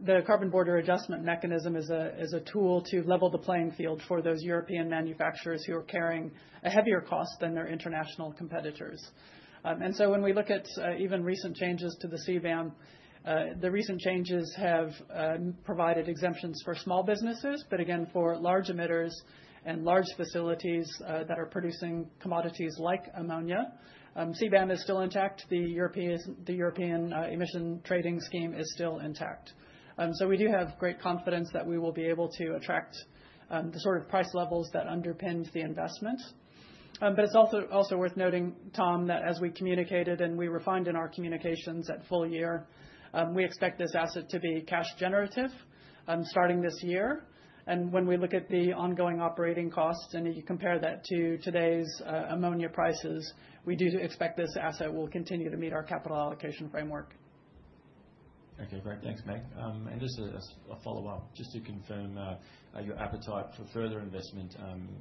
S3: The carbon border adjustment mechanism is a tool to level the playing field for those European manufacturers who are carrying a heavier cost than their international competitors. When we look at even recent changes to the CBAM, the recent changes have provided exemptions for small businesses, but again, for large emitters and large facilities that are producing commodities like ammonia, CBAM is still intact. The European emission trading scheme is still intact. We do have great confidence that we will be able to attract the sort of price levels that underpins the investment. It is also worth noting, Tom, that as we communicated and we refined in our communications at full year, we expect this asset to be cash-generative starting this year. When we look at the ongoing operating costs and you compare that to today's ammonia prices, we do expect this asset will continue to meet our capital allocation framework.
S5: Okay, great. Thanks, Meg. Just a follow-up, just to confirm your appetite for further investment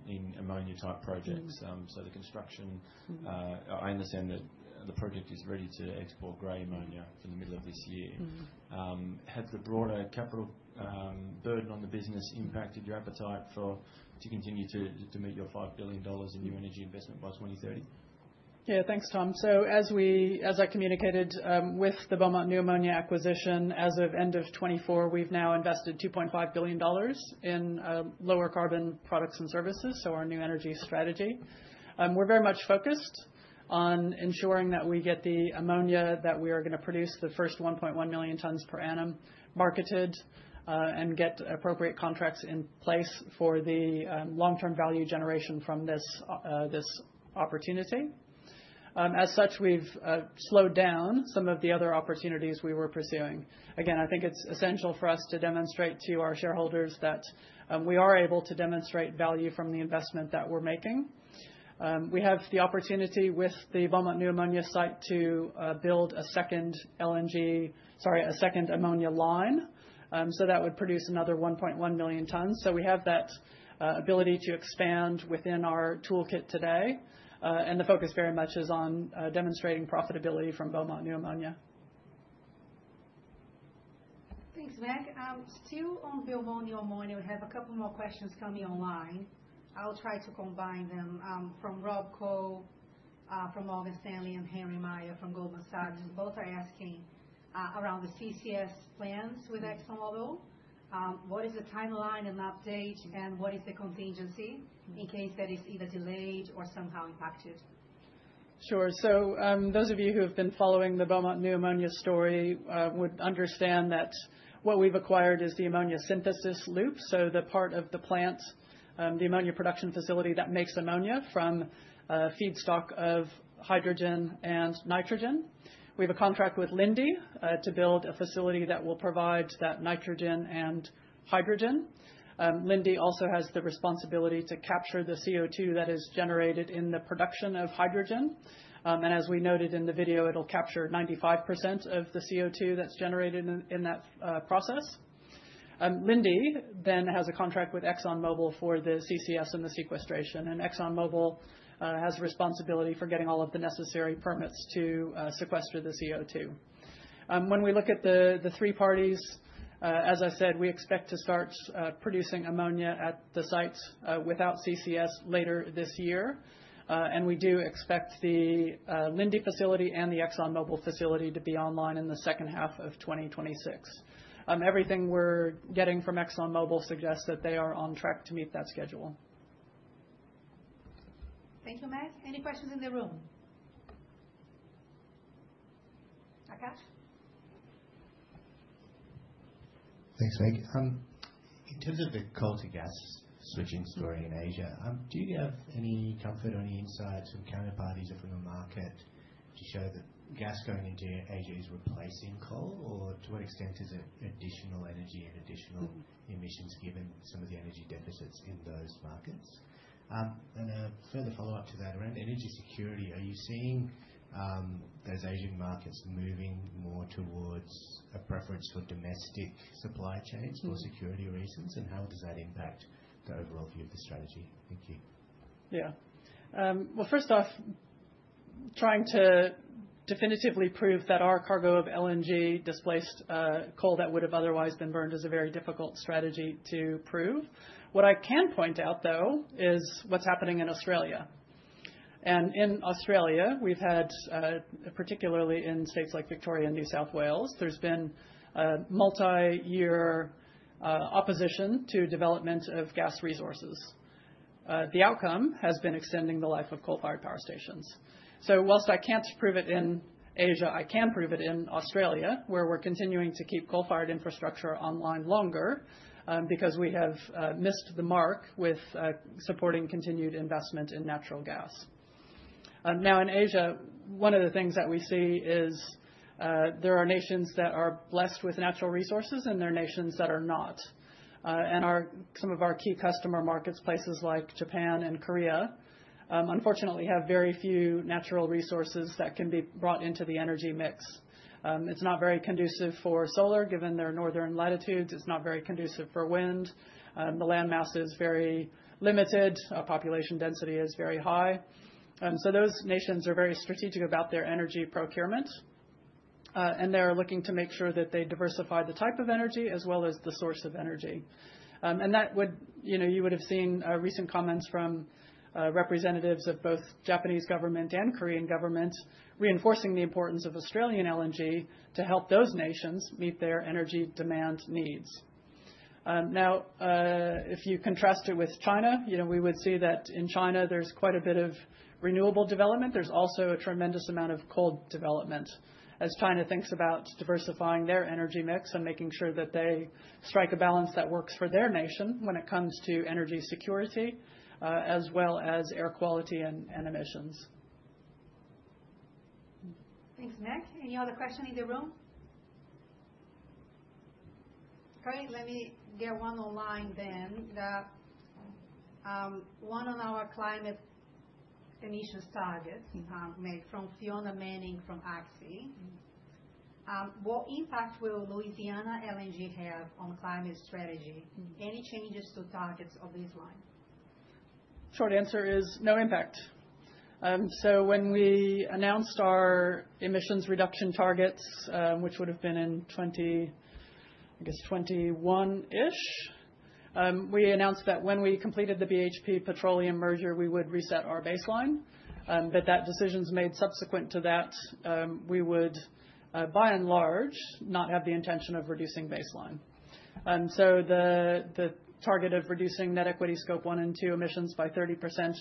S5: in ammonia-type projects. The construction, I understand that the project is ready to export gray ammonia for the middle of this year. Had the broader capital burden on the business impacted your appetite to continue to meet your $5 billion in new energy investment by 2030?
S3: Yeah, thanks, Tom. As I communicated with the Beaumont New Ammonia acquisition, as of end of 2024, we've now invested $2.5 billion in lower carbon products and services, so our new energy strategy. We're very much focused on ensuring that we get the ammonia that we are going to produce, the first 1.1 million tons per annum marketed, and get appropriate contracts in place for the long-term value generation from this opportunity. As such, we've slowed down some of the other opportunities we were pursuing. Again, I think it's essential for us to demonstrate to our shareholders that we are able to demonstrate value from the investment that we're making. We have the opportunity with the Beaumont New Ammonia site to build a second LNG, sorry, a second ammonia line. That would produce another 1.1 million tons. We have that ability to expand within our toolkit today. The focus very much is on demonstrating profitability from Beaumont New Ammonia.
S1: Thanks, Meg. Still on Beaumont New Ammonia, we have a couple more questions coming online. I'll try to combine them. From Rob Coe from Morgan Stanley and Henry Meyer from Goldman Sachs, both are asking around the CCS plans with ExxonMobil. What is the timeline and update, and what is the contingency in case that it's either delayed or somehow impacted?
S3: Sure. Those of you who have been following the Beaumont New Ammonia story would understand that what we've acquired is the ammonia synthesis loop, so the part of the plant, the ammonia production facility that makes ammonia from feedstock of hydrogen and nitrogen. We have a contract with Linde to build a facility that will provide that nitrogen and hydrogen. Linde also has the responsibility to capture the CO2 that is generated in the production of hydrogen. As we noted in the video, it'll capture 95% of the CO2 that's generated in that process. Linde then has a contract with ExxonMobil for the CCS and the sequestration. ExxonMobil has responsibility for getting all of the necessary permits to sequester the CO2. When we look at the three parties, as I said, we expect to start producing ammonia at the sites without CCS later this year. We do expect the Linde facility and the ExxonMobil facility to be online in the second half of 2026. Everything we're getting from ExxonMobil suggests that they are on track to meet that schedule.
S1: Thank you, Meg. Any questions in the room? Akash?
S6: Thanks, Meg. In terms of the coal-to-gas switching story in Asia, do you have any comfort or any insights from counterparties or from the market to show that gas going into Asia is replacing coal? Or to what extent is it additional energy and additional emissions given some of the energy deficits in those markets? A further follow-up to that around energy security, are you seeing those Asian markets moving more towards a preference for domestic supply chains for security reasons? How does that impact the overall view of the strategy? Thank you.
S3: Yeah. First off, trying to definitively prove that our cargo of LNG displaced coal that would have otherwise been burned is a very difficult strategy to prove. What I can point out, though, is what's happening in Australia. In Australia, we've had, particularly in states like Victoria and New South Wales, there's been multi-year opposition to development of gas resources. The outcome has been extending the life of coal-fired power stations. Whilst I can't prove it in Asia, I can prove it in Australia, where we're continuing to keep coal-fired infrastructure online longer because we have missed the mark with supporting continued investment in natural gas. In Asia, one of the things that we see is there are nations that are blessed with natural resources and there are nations that are not. Some of our key customer markets, places like Japan and Korea, unfortunately have very few natural resources that can be brought into the energy mix. It is not very conducive for solar given their northern latitudes. It is not very conducive for wind. The landmass is very limited. Population density is very high. Those nations are very strategic about their energy procurement. They are looking to make sure that they diversify the type of energy as well as the source of energy. You would have seen recent comments from representatives of both Japanese government and Korean government reinforcing the importance of Australian LNG to help those nations meet their energy demand needs. If you contrast it with China, we would see that in China, there is quite a bit of renewable development. There is also a tremendous amount of coal development. As China thinks about diversifying their energy mix and making sure that they strike a balance that works for their nation when it comes to energy security as well as air quality and emissions.
S1: Thanks, Meg. Any other question in the room? Great. Let me get one online then. One on our climate emissions targets, Meg, from Fiona Manning from AXI. What impact will Louisiana LNG have on climate strategy? Any changes to targets of this line?
S3: Short answer is no impact. When we announced our emissions reduction targets, which would have been in, I guess, 2021-ish, we announced that when we completed the BHP petroleum merger, we would reset our baseline. That decision's made subsequent to that, we would, by and large, not have the intention of reducing baseline. The target of reducing net equity Scope 1 and 2 emissions by 30%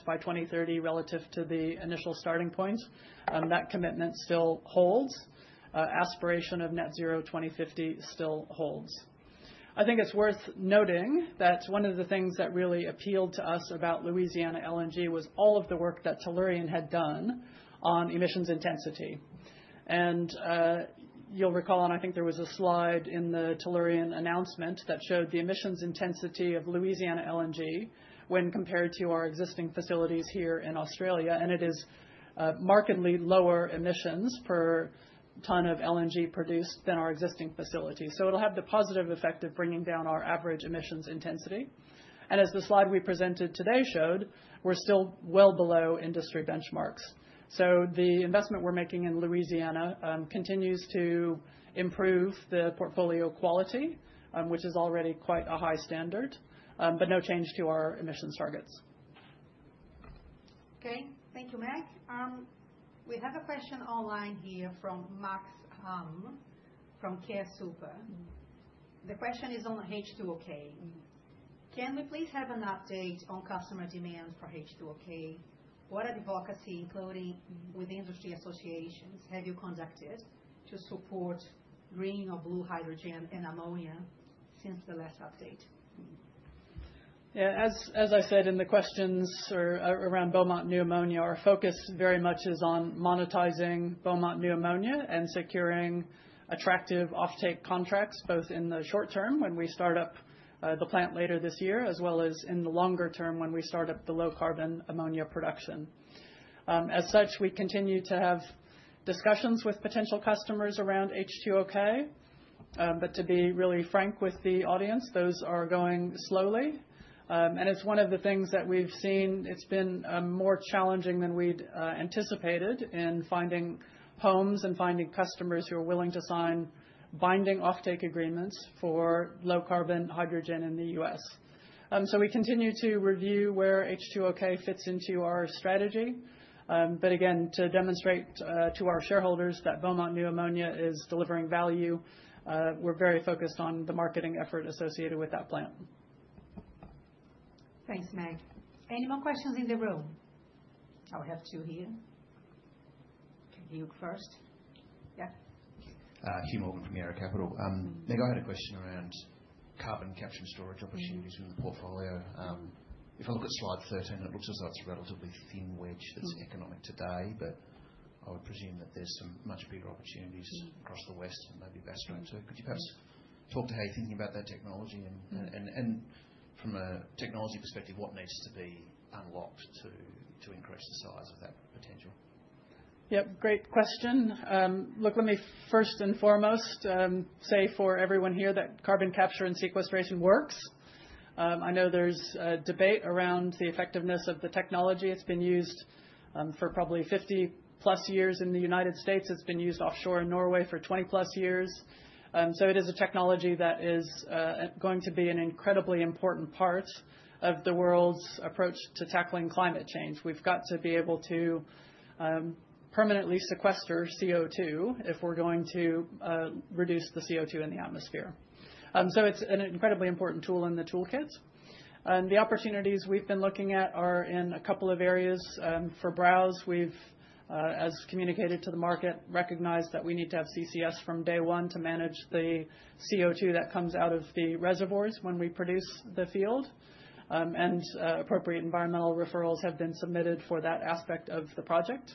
S3: by 2030 relative to the initial starting point, that commitment still holds. Aspiration of net zero 2050 still holds. I think it's worth noting that one of the things that really appealed to us about Louisiana LNG was all of the work that Tellurian had done on emissions intensity. You'll recall, and I think there was a slide in the Tellurian announcement that showed the emissions intensity of Louisiana LNG when compared to our existing facilities here in Australia. It is markedly lower emissions per ton of LNG produced than our existing facility. It will have the positive effect of bringing down our average emissions intensity. As the slide we presented today showed, we're still well below industry benchmarks. The investment we are making in Louisiana continues to improve the portfolio quality, which is already quite a high standard, but no change to our emissions targets.
S1: Okay. Thank you, Meg. We have a question online here from Max Hamm from CareSuper. The question is on H2OK. Can we please have an update on customer demand for H2OK? What advocacy, including with industry associations, have you conducted to support green or blue hydrogen and ammonia since the last update?
S3: Yeah. As I said, in the questions around Beaumont New Ammonia, our focus very much is on monetizing Beaumont New Ammonia and securing attractive offtake contracts both in the short term when we start up the plant later this year as well as in the longer term when we start up the low carbon ammonia production. As such, we continue to have discussions with potential customers around H2OK. To be really frank with the audience, those are going slowly. It's one of the things that we've seen. It's been more challenging than we'd anticipated in finding homes and finding customers who are willing to sign binding offtake agreements for low carbon hydrogen in the U.S. We continue to review where H2OK fits into our strategy. Again, to demonstrate to our shareholders that Beaumont New Ammonia is delivering value, we're very focused on the marketing effort associated with that plant.
S1: Thanks, Meg. Any more questions in the room?
S3: I'll have two here. Can Hugh first? Yeah.
S7: Hugh Morgan from Yarra Capital. Meg, I had a question around carbon capture and storage opportunities within the portfolio. If I look at slide 13, it looks as though it's a relatively thin wedge that's economic today. I would presume that there's some much bigger opportunities across the west and maybe Bestroom too. Could you perhaps talk to how you're thinking about that technology? From a technology perspective, what needs to be unlocked to increase the size of that potential?
S3: Yep. Great question. Look, let me first and foremost say for everyone here that carbon capture and sequestration works. I know there's debate around the effectiveness of the technology. It's been used for probably 50-plus years in the United States. It's been used offshore in Norway for 20-plus years. It is a technology that is going to be an incredibly important part of the world's approach to tackling climate change. We've got to be able to permanently sequester CO2 if we're going to reduce the CO2 in the atmosphere. It is an incredibly important tool in the toolkit. The opportunities we have been looking at are in a couple of areas. For Browse, we have, as communicated to the market, recognized that we need to have CCS from day one to manage the CO2 that comes out of the reservoirs when we produce the field. Appropriate environmental referrals have been submitted for that aspect of the project.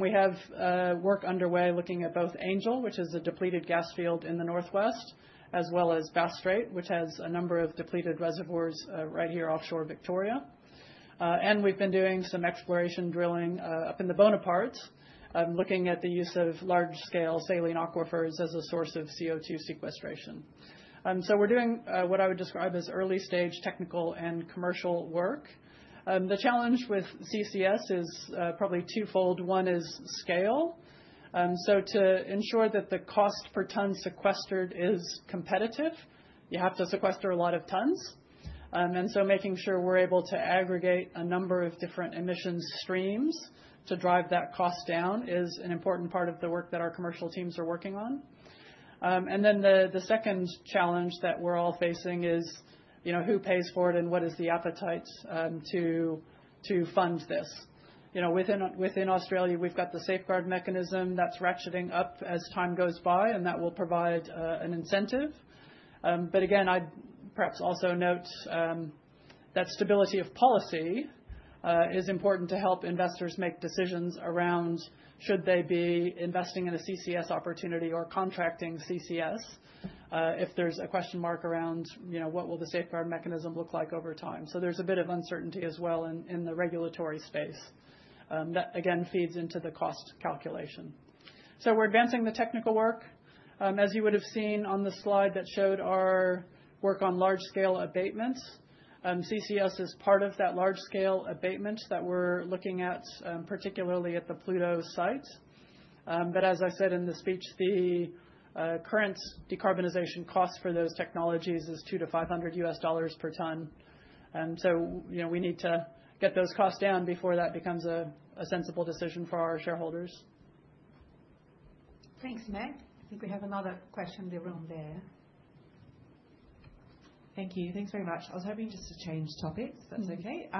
S3: We have work underway looking at both Angel, which is a depleted gas field in the northwest, as well as Bass Strait, which has a number of depleted reservoirs right here offshore Victoria. We have been doing some exploration drilling up in the Bonaparte, looking at the use of large-scale saline aquifers as a source of CO2 sequestration. We are doing what I would describe as early-stage technical and commercial work. The challenge with CCS is probably twofold. One is scale. To ensure that the cost per ton sequestered is competitive, you have to sequester a lot of tons. Making sure we're able to aggregate a number of different emissions streams to drive that cost down is an important part of the work that our commercial teams are working on. The second challenge that we're all facing is who pays for it and what is the appetite to fund this. Within Australia, we've got the safeguard mechanism that's ratcheting up as time goes by, and that will provide an incentive. I'd perhaps also note that stability of policy is important to help investors make decisions around should they be investing in a CCS opportunity or contracting CCS if there's a question mark around what will the safeguard mechanism look like over time. There is a bit of uncertainty as well in the regulatory space that, again, feeds into the cost calculation. We are advancing the technical work. As you would have seen on the slide that showed our work on large-scale abatements, CCS is part of that large-scale abatement that we are looking at, particularly at the Pluto site. As I said in the speech, the current decarbonization cost for those technologies is $200 to $500 per ton. We need to get those costs down before that becomes a sensible decision for our shareholders.
S1: Thanks, Meg. I think we have another question in the room there.
S8: Thank you. Thanks very much. I was hoping just to change topics if that is okay.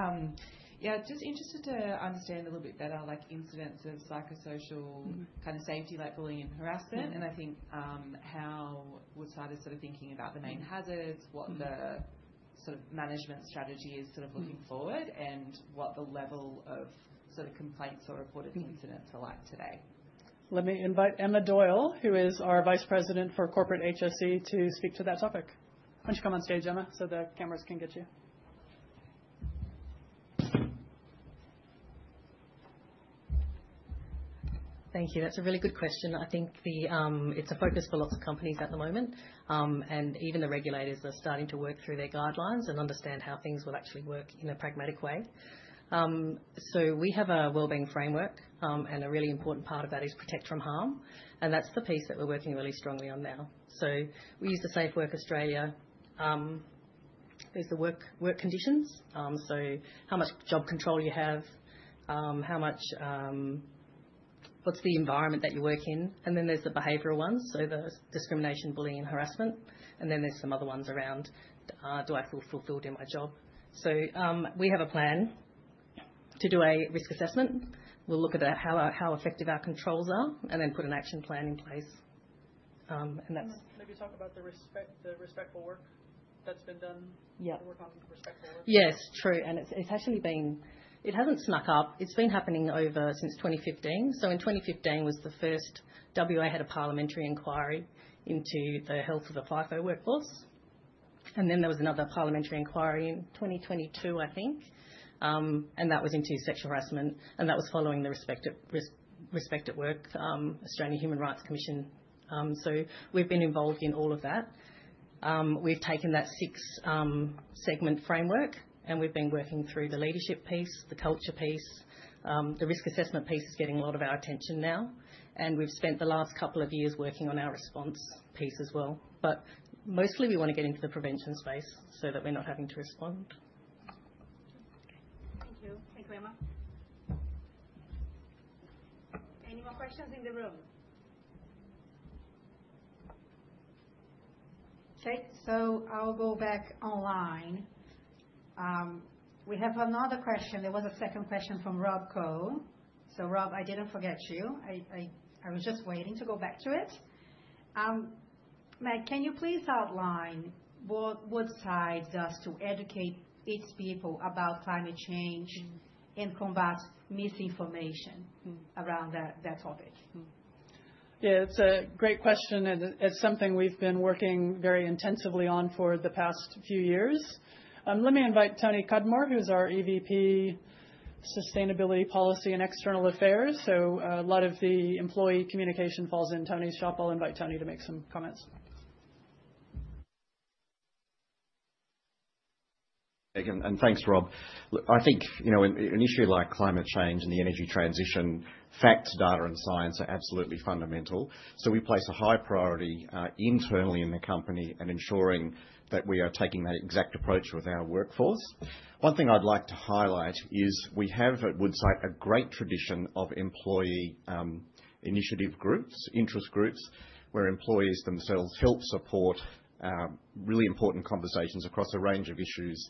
S8: Yeah. Just interested to understand a little bit better incidents of psychosocial kind of safety-like bullying and harassment.I think how would scientists that are thinking about the main hazards, what the sort of management strategy is sort of looking forward, and what the level of sort of complaints or reported incidents are like today. Let me invite Emma Doyle, who is our Vice President for Corporate HSE, to speak to that topic. Why don't you come on stage, Emma, so the cameras can get you?
S9: Thank you. That's a really good question. I think it's a focus for lots of companies at the moment. Even the regulators are starting to work through their guidelines and understand how things will actually work in a pragmatic way. We have a wellbeing framework, and a really important part of that is protect from harm. That's the piece that we're working really strongly on now. We use the Safe Work Australia are the work conditions, so how much job control you have, what is the environment that you work in. Then there are the behavioral ones, so the discrimination, bullying, and harassment. There are some other ones around, do I feel fulfilled in my job? We have a plan to do a risk assessment. We will look at how effective our controls are and then put an action plan in place. That is—
S2: Meg, can you talk about the respectful work that has been done?
S9: We are talking about respectful work. Yes. True. It has actually been—it has not snuck up. It has been happening since 2015. In 2015, Western Australia had a parliamentary inquiry into the health of the FIFO workforce. There was another parliamentary inquiry in 2022, I think. That was into sexual harassment. That was following the Respect at Work, Australian Human Rights Commission. We have been involved in all of that. We have taken that six-segment framework, and we have been working through the leadership piece, the culture piece. The risk assessment piece is getting a lot of our attention now. We have spent the last couple of years working on our response piece as well. Mostly, we want to get into the prevention space so that we are not having to respond. Thank you. `
S1: Thank you, Emma. Any more questions in the room? Okay. I will go back online. We have another question. There was a second question from Rob Coe. Rob, I did not forget you. I was just waiting to go back to it. Meg, can you please outline what Woodside does to educate its people about climate change and combat misinformation around that topic?
S3: Yeah. It is a great question. It's something we've been working very intensively on for the past few years. Let me invite Tony Cudmore, who's our EVP, Sustainability, Policy, and External Affairs. A lot of the employee communication falls in Tony's shop. I'll invite Tony to make some comments.
S10: Thanks, Rob. I think in an issue like climate change and the energy transition, facts, data, and science are absolutely fundamental. We place a high priority internally in the company in ensuring that we are taking that exact approach with our workforce. One thing I'd like to highlight is we have at Woodside a great tradition of employee initiative groups, interest groups, where employees themselves help support really important conversations across a range of issues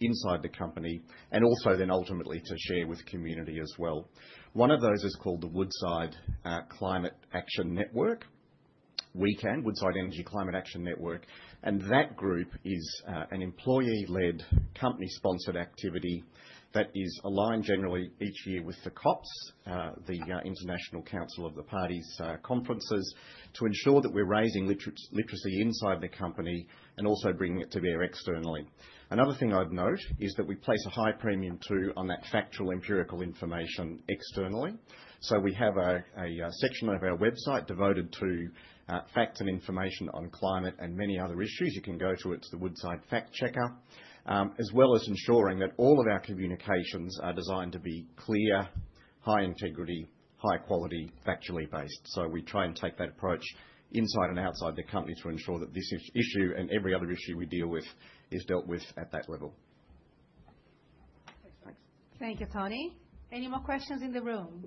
S10: inside the company and also then ultimately to share with the community as well. One of those is called the Woodside Climate Action Network, WECAN, Woodside Energy Climate Action Network. That group is an employee-led company-sponsored activity that is aligned generally each year with the COPs, the International Council of the Parties conferences, to ensure that we're raising literacy inside the company and also bringing it to bear externally. Another thing I'd note is that we place a high premium too on that factual empirical information externally. We have a section of our website devoted to facts and information on climate and many other issues. You can go to it. It's the Woodside Fact Checker, as well as ensuring that all of our communications are designed to be clear, high integrity, high quality, factually based. We try and take that approach inside and outside the company to ensure that this issue and every other issue we deal with is dealt with at that level.
S1: Thanks. Thank you, Tony. Any more questions in the room?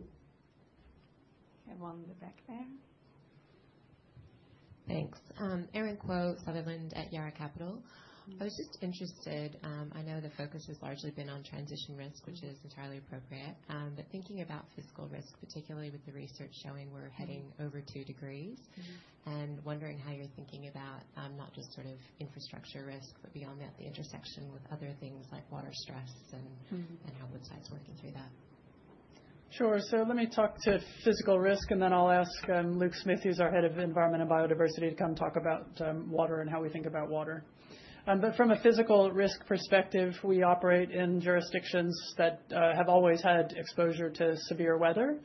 S1: I have one in the back there.
S11: Thanks. Erin Kuo, Sutherland at Era Capital. I was just interested. I know the focus has largely been on transition risk, which is entirely appropriate. Thinking about physical risk, particularly with the research showing we're heading over two degrees, and wondering how you're thinking about not just sort of infrastructure risk, but beyond that, the intersection with other things like water stress and how Woodside's working through that.
S3: Sure. Let me talk to physical risk, and then I'll ask Luke Smith, who's our Head of Environment and Biodiversity, to come talk about water and how we think about water. From a physical risk perspective, we operate in jurisdictions that have always had exposure to severe weather.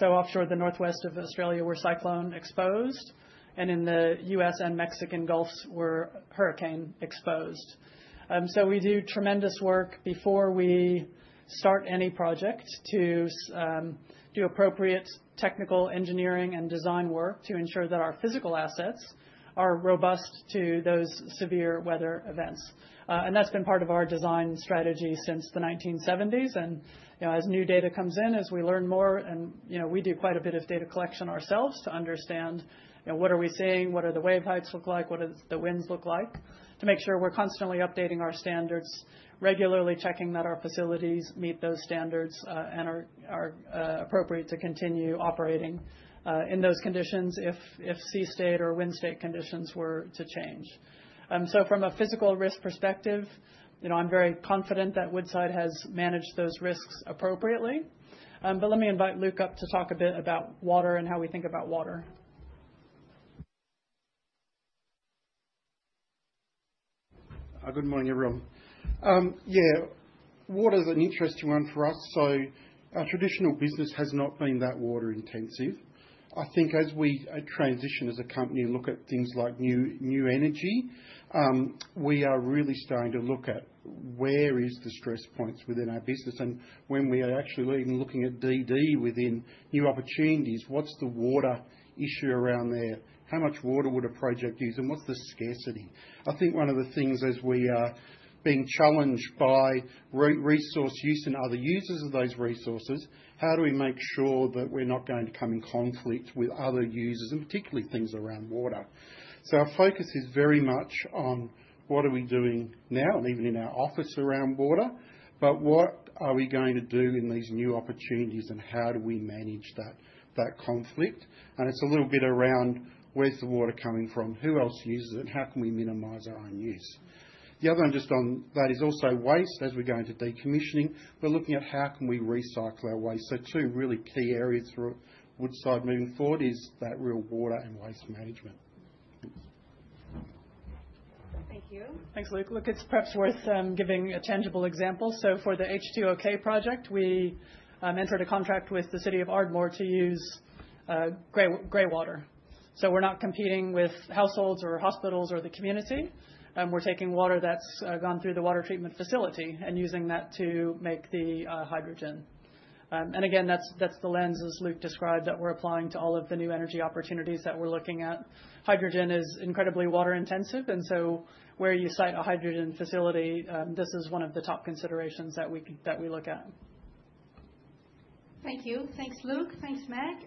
S3: Offshore the Northwest of Australia, we're cyclone-exposed. In the U.S. and Mexican Gulfs, we're hurricane-exposed. We do tremendous work before we start any project to do appropriate technical engineering and design work to ensure that our physical assets are robust to those severe weather events. That's been part of our design strategy since the 1970s. As new data comes in, as we learn more, and we do quite a bit of data collection ourselves to understand what are we seeing, what do the wave heights look like, what do the winds look like, to make sure we're constantly updating our standards, regularly checking that our facilities meet those standards and are appropriate to continue operating in those conditions if sea state or wind state conditions were to change. From a physical risk perspective, I'm very confident that Woodside has managed those risks appropriately. Let me invite Luke up to talk a bit about water and how we think about water.
S12: Good morning, everyone. Yeah. Water's an interesting one for us. Our traditional business has not been that water-intensive. I think as we transition as a company and look at things like new energy, we are really starting to look at where are the stress points within our business. When we are actually looking at DD within new opportunities, what's the water issue around there? How much water would a project use? What's the scarcity? I think one of the things as we are being challenged by resource use and other users of those resources is how do we make sure that we're not going to come in conflict with other users, particularly things around water. Our focus is very much on what are we doing now, and even in our office around water, but what are we going to do in these new opportunities, and how do we manage that conflict? It is a little bit around where is the water coming from, who else uses it, and how can we minimize our own use? The other one just on that is also waste. As we are going to decommissioning, we are looking at how can we recycle our waste. Two really key areas for Woodside moving forward are that real water and waste management.
S3: Thank you. Thanks, Luke. Luke, it is perhaps worth giving a tangible example. For the H2OK project, we entered a contract with the City of Ardmore to use gray water. We are not competing with households or hospitals or the community. We are taking water that has gone through the water treatment facility and using that to make the hydrogen. That is the lens, as Luke described, that we are applying to all of the new energy opportunities that we are looking at. Hydrogen is incredibly water-intensive. Where you site a hydrogen facility, this is one of the top considerations that we look at.
S1: Thank you. Thanks, Luke. Thanks, Meg.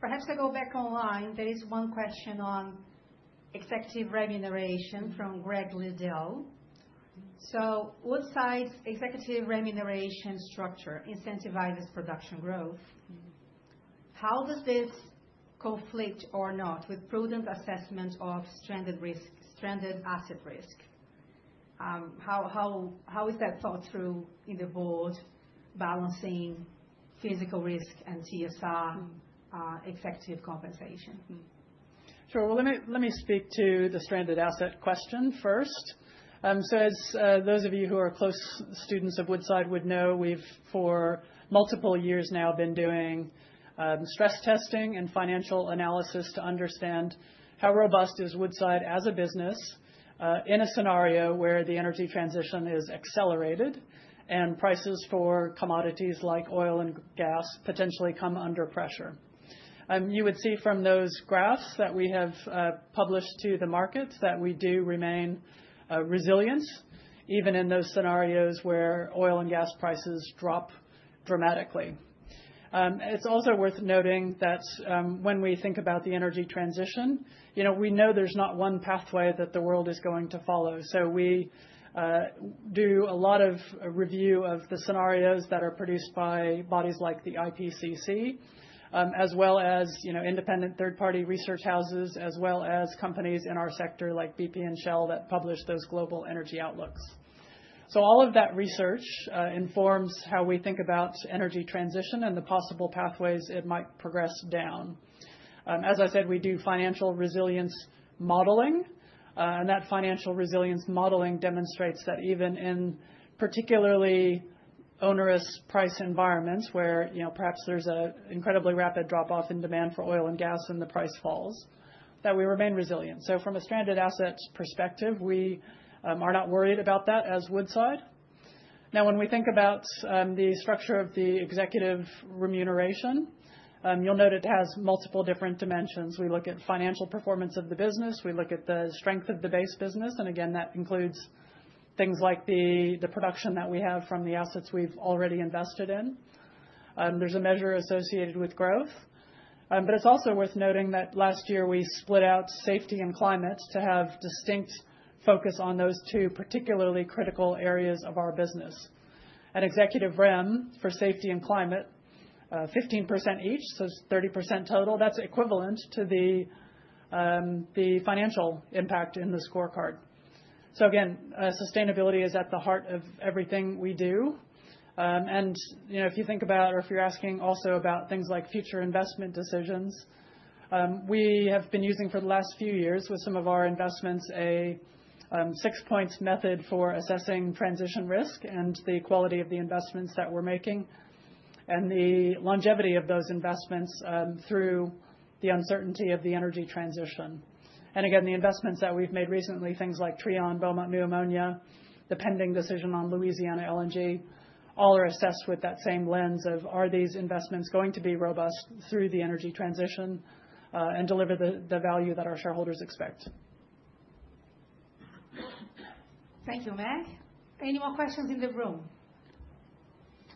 S1: Perhaps I go back online. There is one question on executive remuneration from Greg Liddell. Woodside's executive remuneration structure incentivizes production growth. How does this conflict or not with prudent assessment of stranded asset risk? How is that thought through in the board balancing physical risk and TSR executive compensation?
S3: Sure. Let me speak to the stranded asset question first. As those of you who are close students of Woodside would know, we've for multiple years now been doing stress testing and financial analysis to understand how robust is Woodside as a business in a scenario where the energy transition is accelerated and prices for commodities like oil and gas potentially come under pressure. You would see from those graphs that we have published to the markets that we do remain resilient even in those scenarios where oil and gas prices drop dramatically. It is also worth noting that when we think about the energy transition, we know there is not one pathway that the world is going to follow. We do a lot of review of the scenarios that are produced by bodies like the IPCC, as well as independent third-party research houses, as well as companies in our sector like BP and Shell that publish those global energy outlooks. All of that research informs how we think about energy transition and the possible pathways it might progress down. As I said, we do financial resilience modeling. That financial resilience modeling demonstrates that even in particularly onerous price environments where perhaps there's an incredibly rapid drop-off in demand for oil and gas and the price falls, we remain resilient. From a stranded asset perspective, we are not worried about that as Woodside. Now, when we think about the structure of the executive remuneration, you'll note it has multiple different dimensions. We look at financial performance of the business. We look at the strength of the base business. Again, that includes things like the production that we have from the assets we've already invested in. There's a measure associated with growth. It's also worth noting that last year we split out safety and climate to have distinct focus on those two particularly critical areas of our business. At executive REM for safety and climate, 15% each, so 30% total, that's equivalent to the financial impact in the scorecard. Sustainability is at the heart of everything we do. If you think about or if you're asking also about things like future investment decisions, we have been using for the last few years with some of our investments a six-points method for assessing transition risk and the quality of the investments that we're making and the longevity of those investments through the uncertainty of the energy transition. The investments that we've made recently, things like Trion, Beaumont New Ammonia, the pending decision on Louisiana LNG, all are assessed with that same lens of are these investments going to be robust through the energy transition and deliver the value that our shareholders expect.
S1: Thank you, Meg. Any more questions in the room?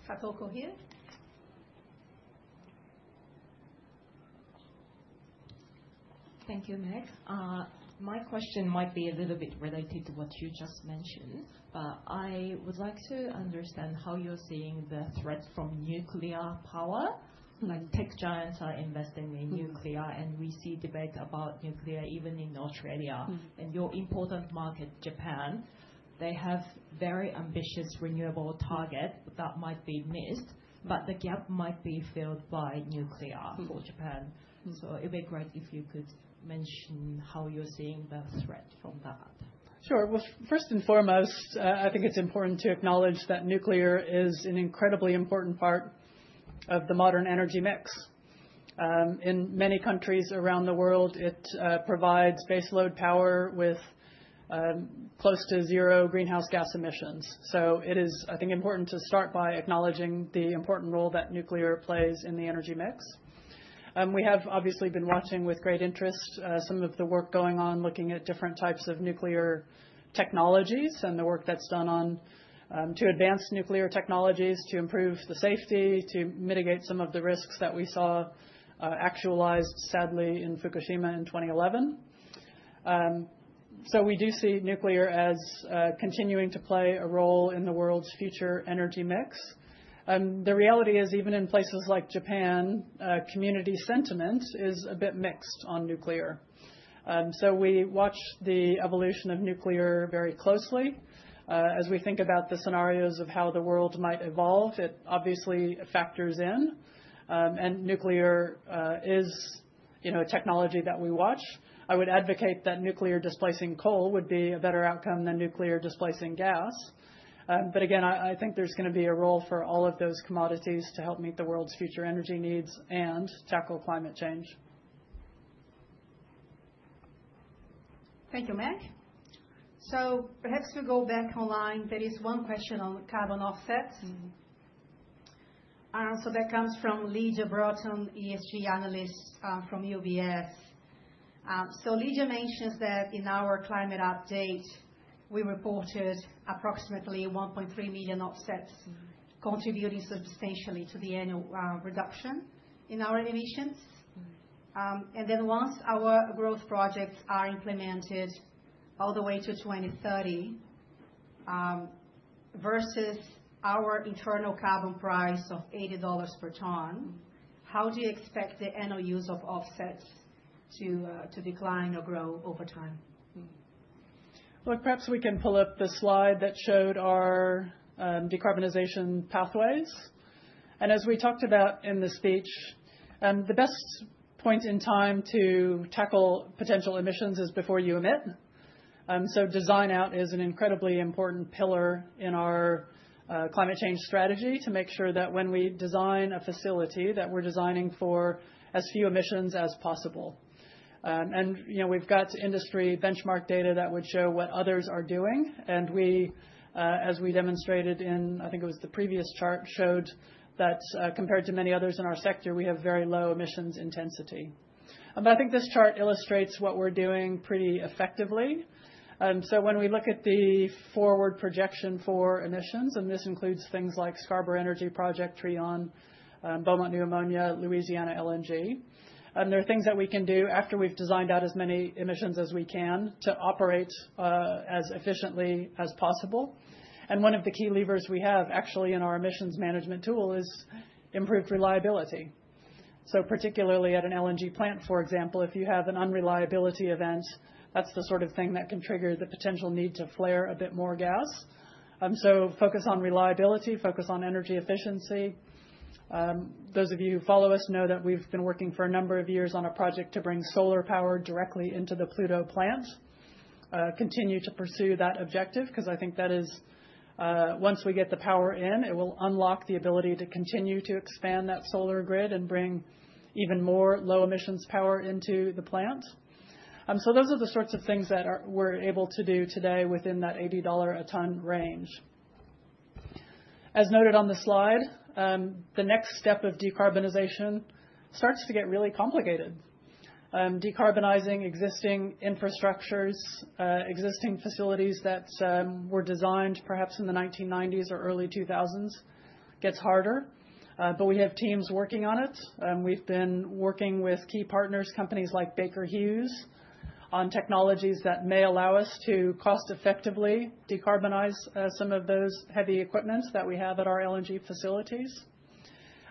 S1: Fatoko here.
S8: Thank you, Meg. My question might be a little bit related to what you just mentioned, but I would like to understand how you're seeing the threat from nuclear power. Tech giants are investing in nuclear, and we see debate about nuclear even in Australia. Your important market, Japan, they have very ambitious renewable targets that might be missed, but the gap might be filled by nuclear for Japan. It would be great if you could mention how you're seeing the threat from that.
S3: Sure. First and foremost, I think it's important to acknowledge that nuclear is an incredibly important part of the modern energy mix. In many countries around the world, it provides baseload power with close to zero greenhouse gas emissions. It is, I think, important to start by acknowledging the important role that nuclear plays in the energy mix. We have obviously been watching with great interest some of the work going on looking at different types of nuclear technologies and the work that's done to advance nuclear technologies to improve the safety, to mitigate some of the risks that we saw actualized, sadly, in Fukushima in 2011. We do see nuclear as continuing to play a role in the world's future energy mix. The reality is even in places like Japan, community sentiment is a bit mixed on nuclear. We watch the evolution of nuclear very closely. As we think about the scenarios of how the world might evolve, it obviously factors in. Nuclear is a technology that we watch. I would advocate that nuclear displacing coal would be a better outcome than nuclear displacing gas. I think there's going to be a role for all of those commodities to help meet the world's future energy needs and tackle climate change.
S1: Thank you, Meg. Perhaps we go back online. There is one question on carbon offsets. That comes from Lydia Broughton, ESG analyst from UBS. Lydia mentions that in our climate update, we reported approximately 1.3 million offsets contributing substantially to the annual reduction in our emissions. Once our growth projects are implemented all the way to 2030 versus our internal carbon price of $80 per ton, how do you expect the annual use of offsets to decline or grow over time?
S3: Perhaps we can pull up the slide that showed our decarbonization pathways. As we talked about in the speech, the best point in time to tackle potential emissions is before you emit. Design out is an incredibly important pillar in our climate change strategy to make sure that when we design a facility, that we're designing for as few emissions as possible. We've got industry benchmark data that would show what others are doing. As we demonstrated in, I think it was the previous chart, it showed that compared to many others in our sector, we have very low emissions intensity. I think this chart illustrates what we're doing pretty effectively. When we look at the forward projection for emissions, and this includes things like Scarborough Energy Project, Trion, Beaumont New Ammonia, Louisiana LNG, there are things that we can do after we've designed out as many emissions as we can to operate as efficiently as possible. One of the key levers we have actually in our emissions management tool is improved reliability. Particularly at an LNG plant, for example, if you have an unreliability event, that's the sort of thing that can trigger the potential need to flare a bit more gas. Focus on reliability, focus on energy efficiency. Those of you who follow us know that we've been working for a number of years on a project to bring solar power directly into the Pluto plant. Continue to pursue that objective because I think that is once we get the power in, it will unlock the ability to continue to expand that solar grid and bring even more low-emissions power into the plant. Those are the sorts of things that we're able to do today within that $80 a ton range. As noted on the slide, the next step of decarbonization starts to get really complicated. Decarbonizing existing infrastructures, existing facilities that were designed perhaps in the 1990s or early 2000s gets harder. We have teams working on it. We've been working with key partners, companies like Baker Hughes, on technologies that may allow us to cost-effectively decarbonize some of those heavy equipment that we have at our LNG facilities.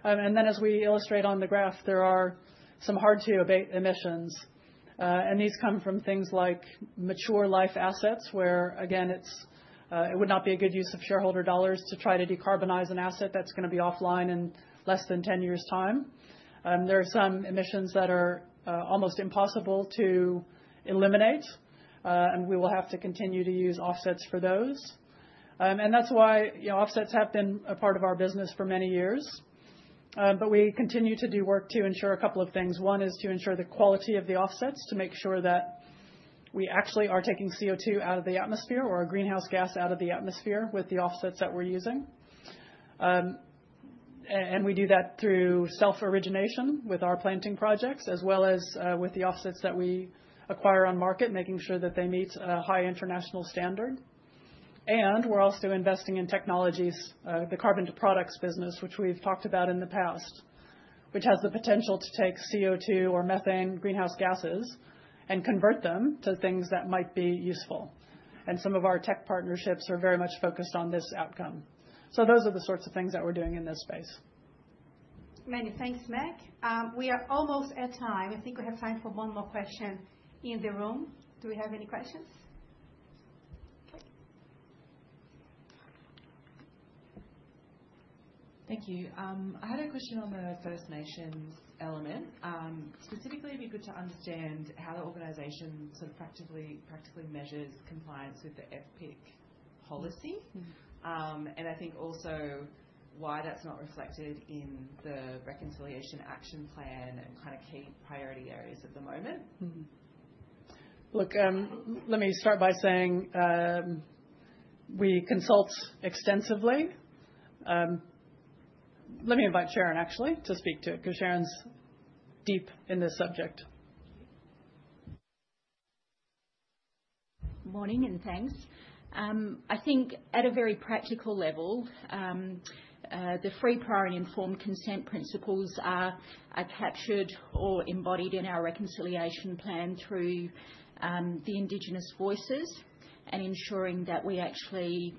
S3: As we illustrate on the graph, there are some hard-to-abate emissions. These come from things like mature life assets where, again, it would not be a good use of shareholder dollars to try to decarbonize an asset that's going to be offline in less than 10 years' time. There are some emissions that are almost impossible to eliminate, and we will have to continue to use offsets for those. That's why offsets have been a part of our business for many years. We continue to do work to ensure a couple of things. One is to ensure the quality of the offsets to make sure that we actually are taking CO2 out of the atmosphere or greenhouse gas out of the atmosphere with the offsets that we're using. We do that through self-origination with our planting projects as well as with the offsets that we acquire on market, making sure that they meet a high international standard. We're also investing in technologies, the carbon products business, which we've talked about in the past, which has the potential to take CO2 or methane, greenhouse gases, and convert them to things that might be useful. Some of our tech partnerships are very much focused on this outcome. Those are the sorts of things that we're doing in this space.
S1: Many thanks, Meg. We are almost at time. I think we have time for one more question in the room. Do we have any questions?
S8: Thank you. I had a question on the First Nations element. Specifically, it'd be good to understand how the organization sort of practically measures compliance with the FPIC policy. I think also why that's not reflected in the reconciliation action plan and kind of key priority areas at the moment.
S3: Look, let me start by saying we consult extensively. Let me invite Sharon, actually, to speak to it because Sharon's deep in this subject.
S13: Morning and thanks. I think at a very practical level, the free prior and informed consent principles are captured or embodied in our reconciliation plan through the Indigenous voices and ensuring that we actually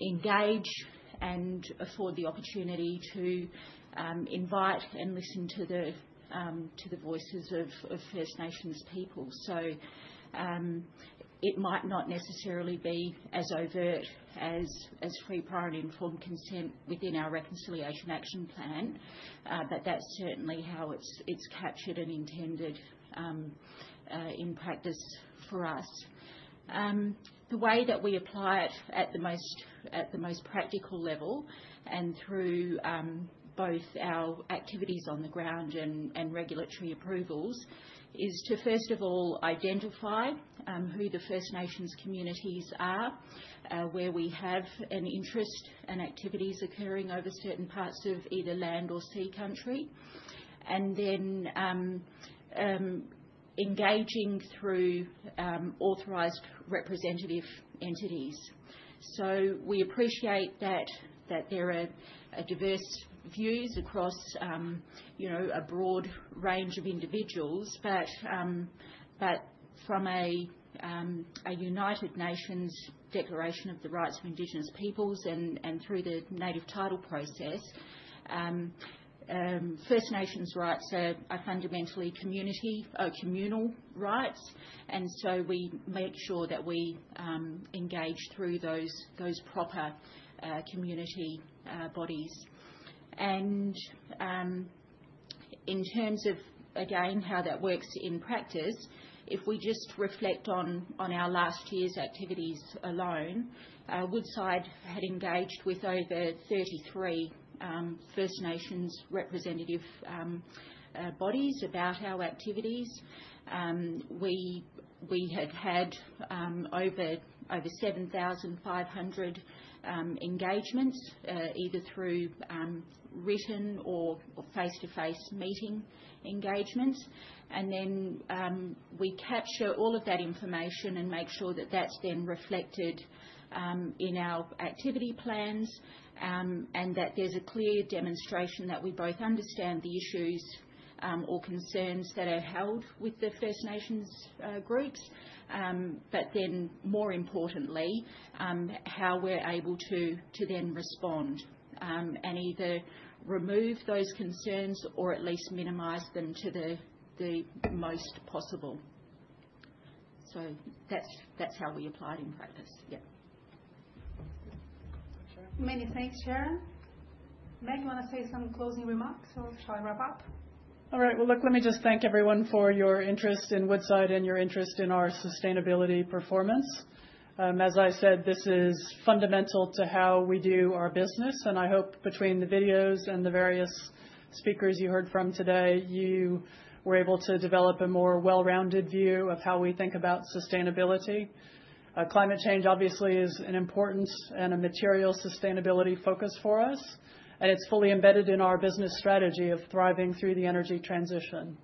S13: engage and afford the opportunity to invite and listen to the voices of First Nations people. It might not necessarily be as overt as free prior and informed consent within our reconciliation action plan, but that's certainly how it's captured and intended in practice for us. The way that we apply it at the most practical level and through both our activities on the ground and regulatory approvals is to, first of all, identify who the First Nations communities are, where we have an interest and activities occurring over certain parts of either land or sea country, and then engaging through authorized representative entities. We appreciate that there are diverse views across a broad range of individuals, but from a United Nations Declaration of the Rights of Indigenous Peoples and through the Native Title process, First Nations rights are fundamentally communal rights. We make sure that we engage through those proper community bodies. In terms of, again, how that works in practice, if we just reflect on our last year's activities alone, Woodside had engaged with over 33 First Nations representative bodies about our activities. We had had over 7,500 engagements, either through written or face-to-face meeting engagements. We capture all of that information and make sure that that's then reflected in our activity plans and that there's a clear demonstration that we both understand the issues or concerns that are held with the First Nations groups, but then more importantly, how we're able to then respond and either remove those concerns or at least minimize them to the most possible. That's how we applied in practice. Yep.
S1: Many thanks, Sharon. Meg, you want to say some closing remarks or shall I wrap up?
S3: All right. Let me just thank everyone for your interest in Woodside and your interest in our sustainability performance. As I said, this is fundamental to how we do our business. I hope between the videos and the various speakers you heard from today, you were able to develop a more well-rounded view of how we think about sustainability. Climate change, obviously, is an important and a material sustainability focus for us, and it's fully embedded in our business strategy of thriving through the energy transition.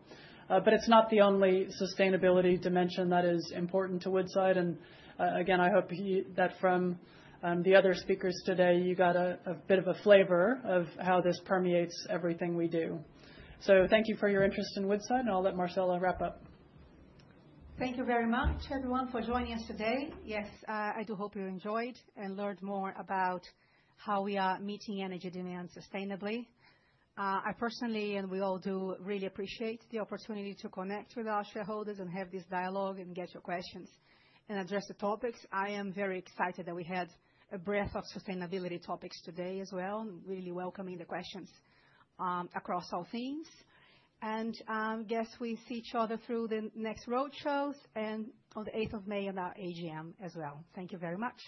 S3: It is not the only sustainability dimension that is important to Woodside. I hope that from the other speakers today, you got a bit of a flavor of how this permeates everything we do. Thank you for your interest in Woodside, and I'll let Marcella wrap up.
S1: Thank you very much, everyone, for joining us today. Yes. I do hope you enjoyed and learned more about how we are meeting energy demand sustainably. I personally, and we all do, really appreciate the opportunity to connect with our shareholders and have this dialogue and get your questions and address the topics. I am very excited that we had a breadth of sustainability topics today as well, really welcoming the questions across all themes. Yes, we see each other through the next roadshows and on the 8th of May on our AGM as well. Thank you very much.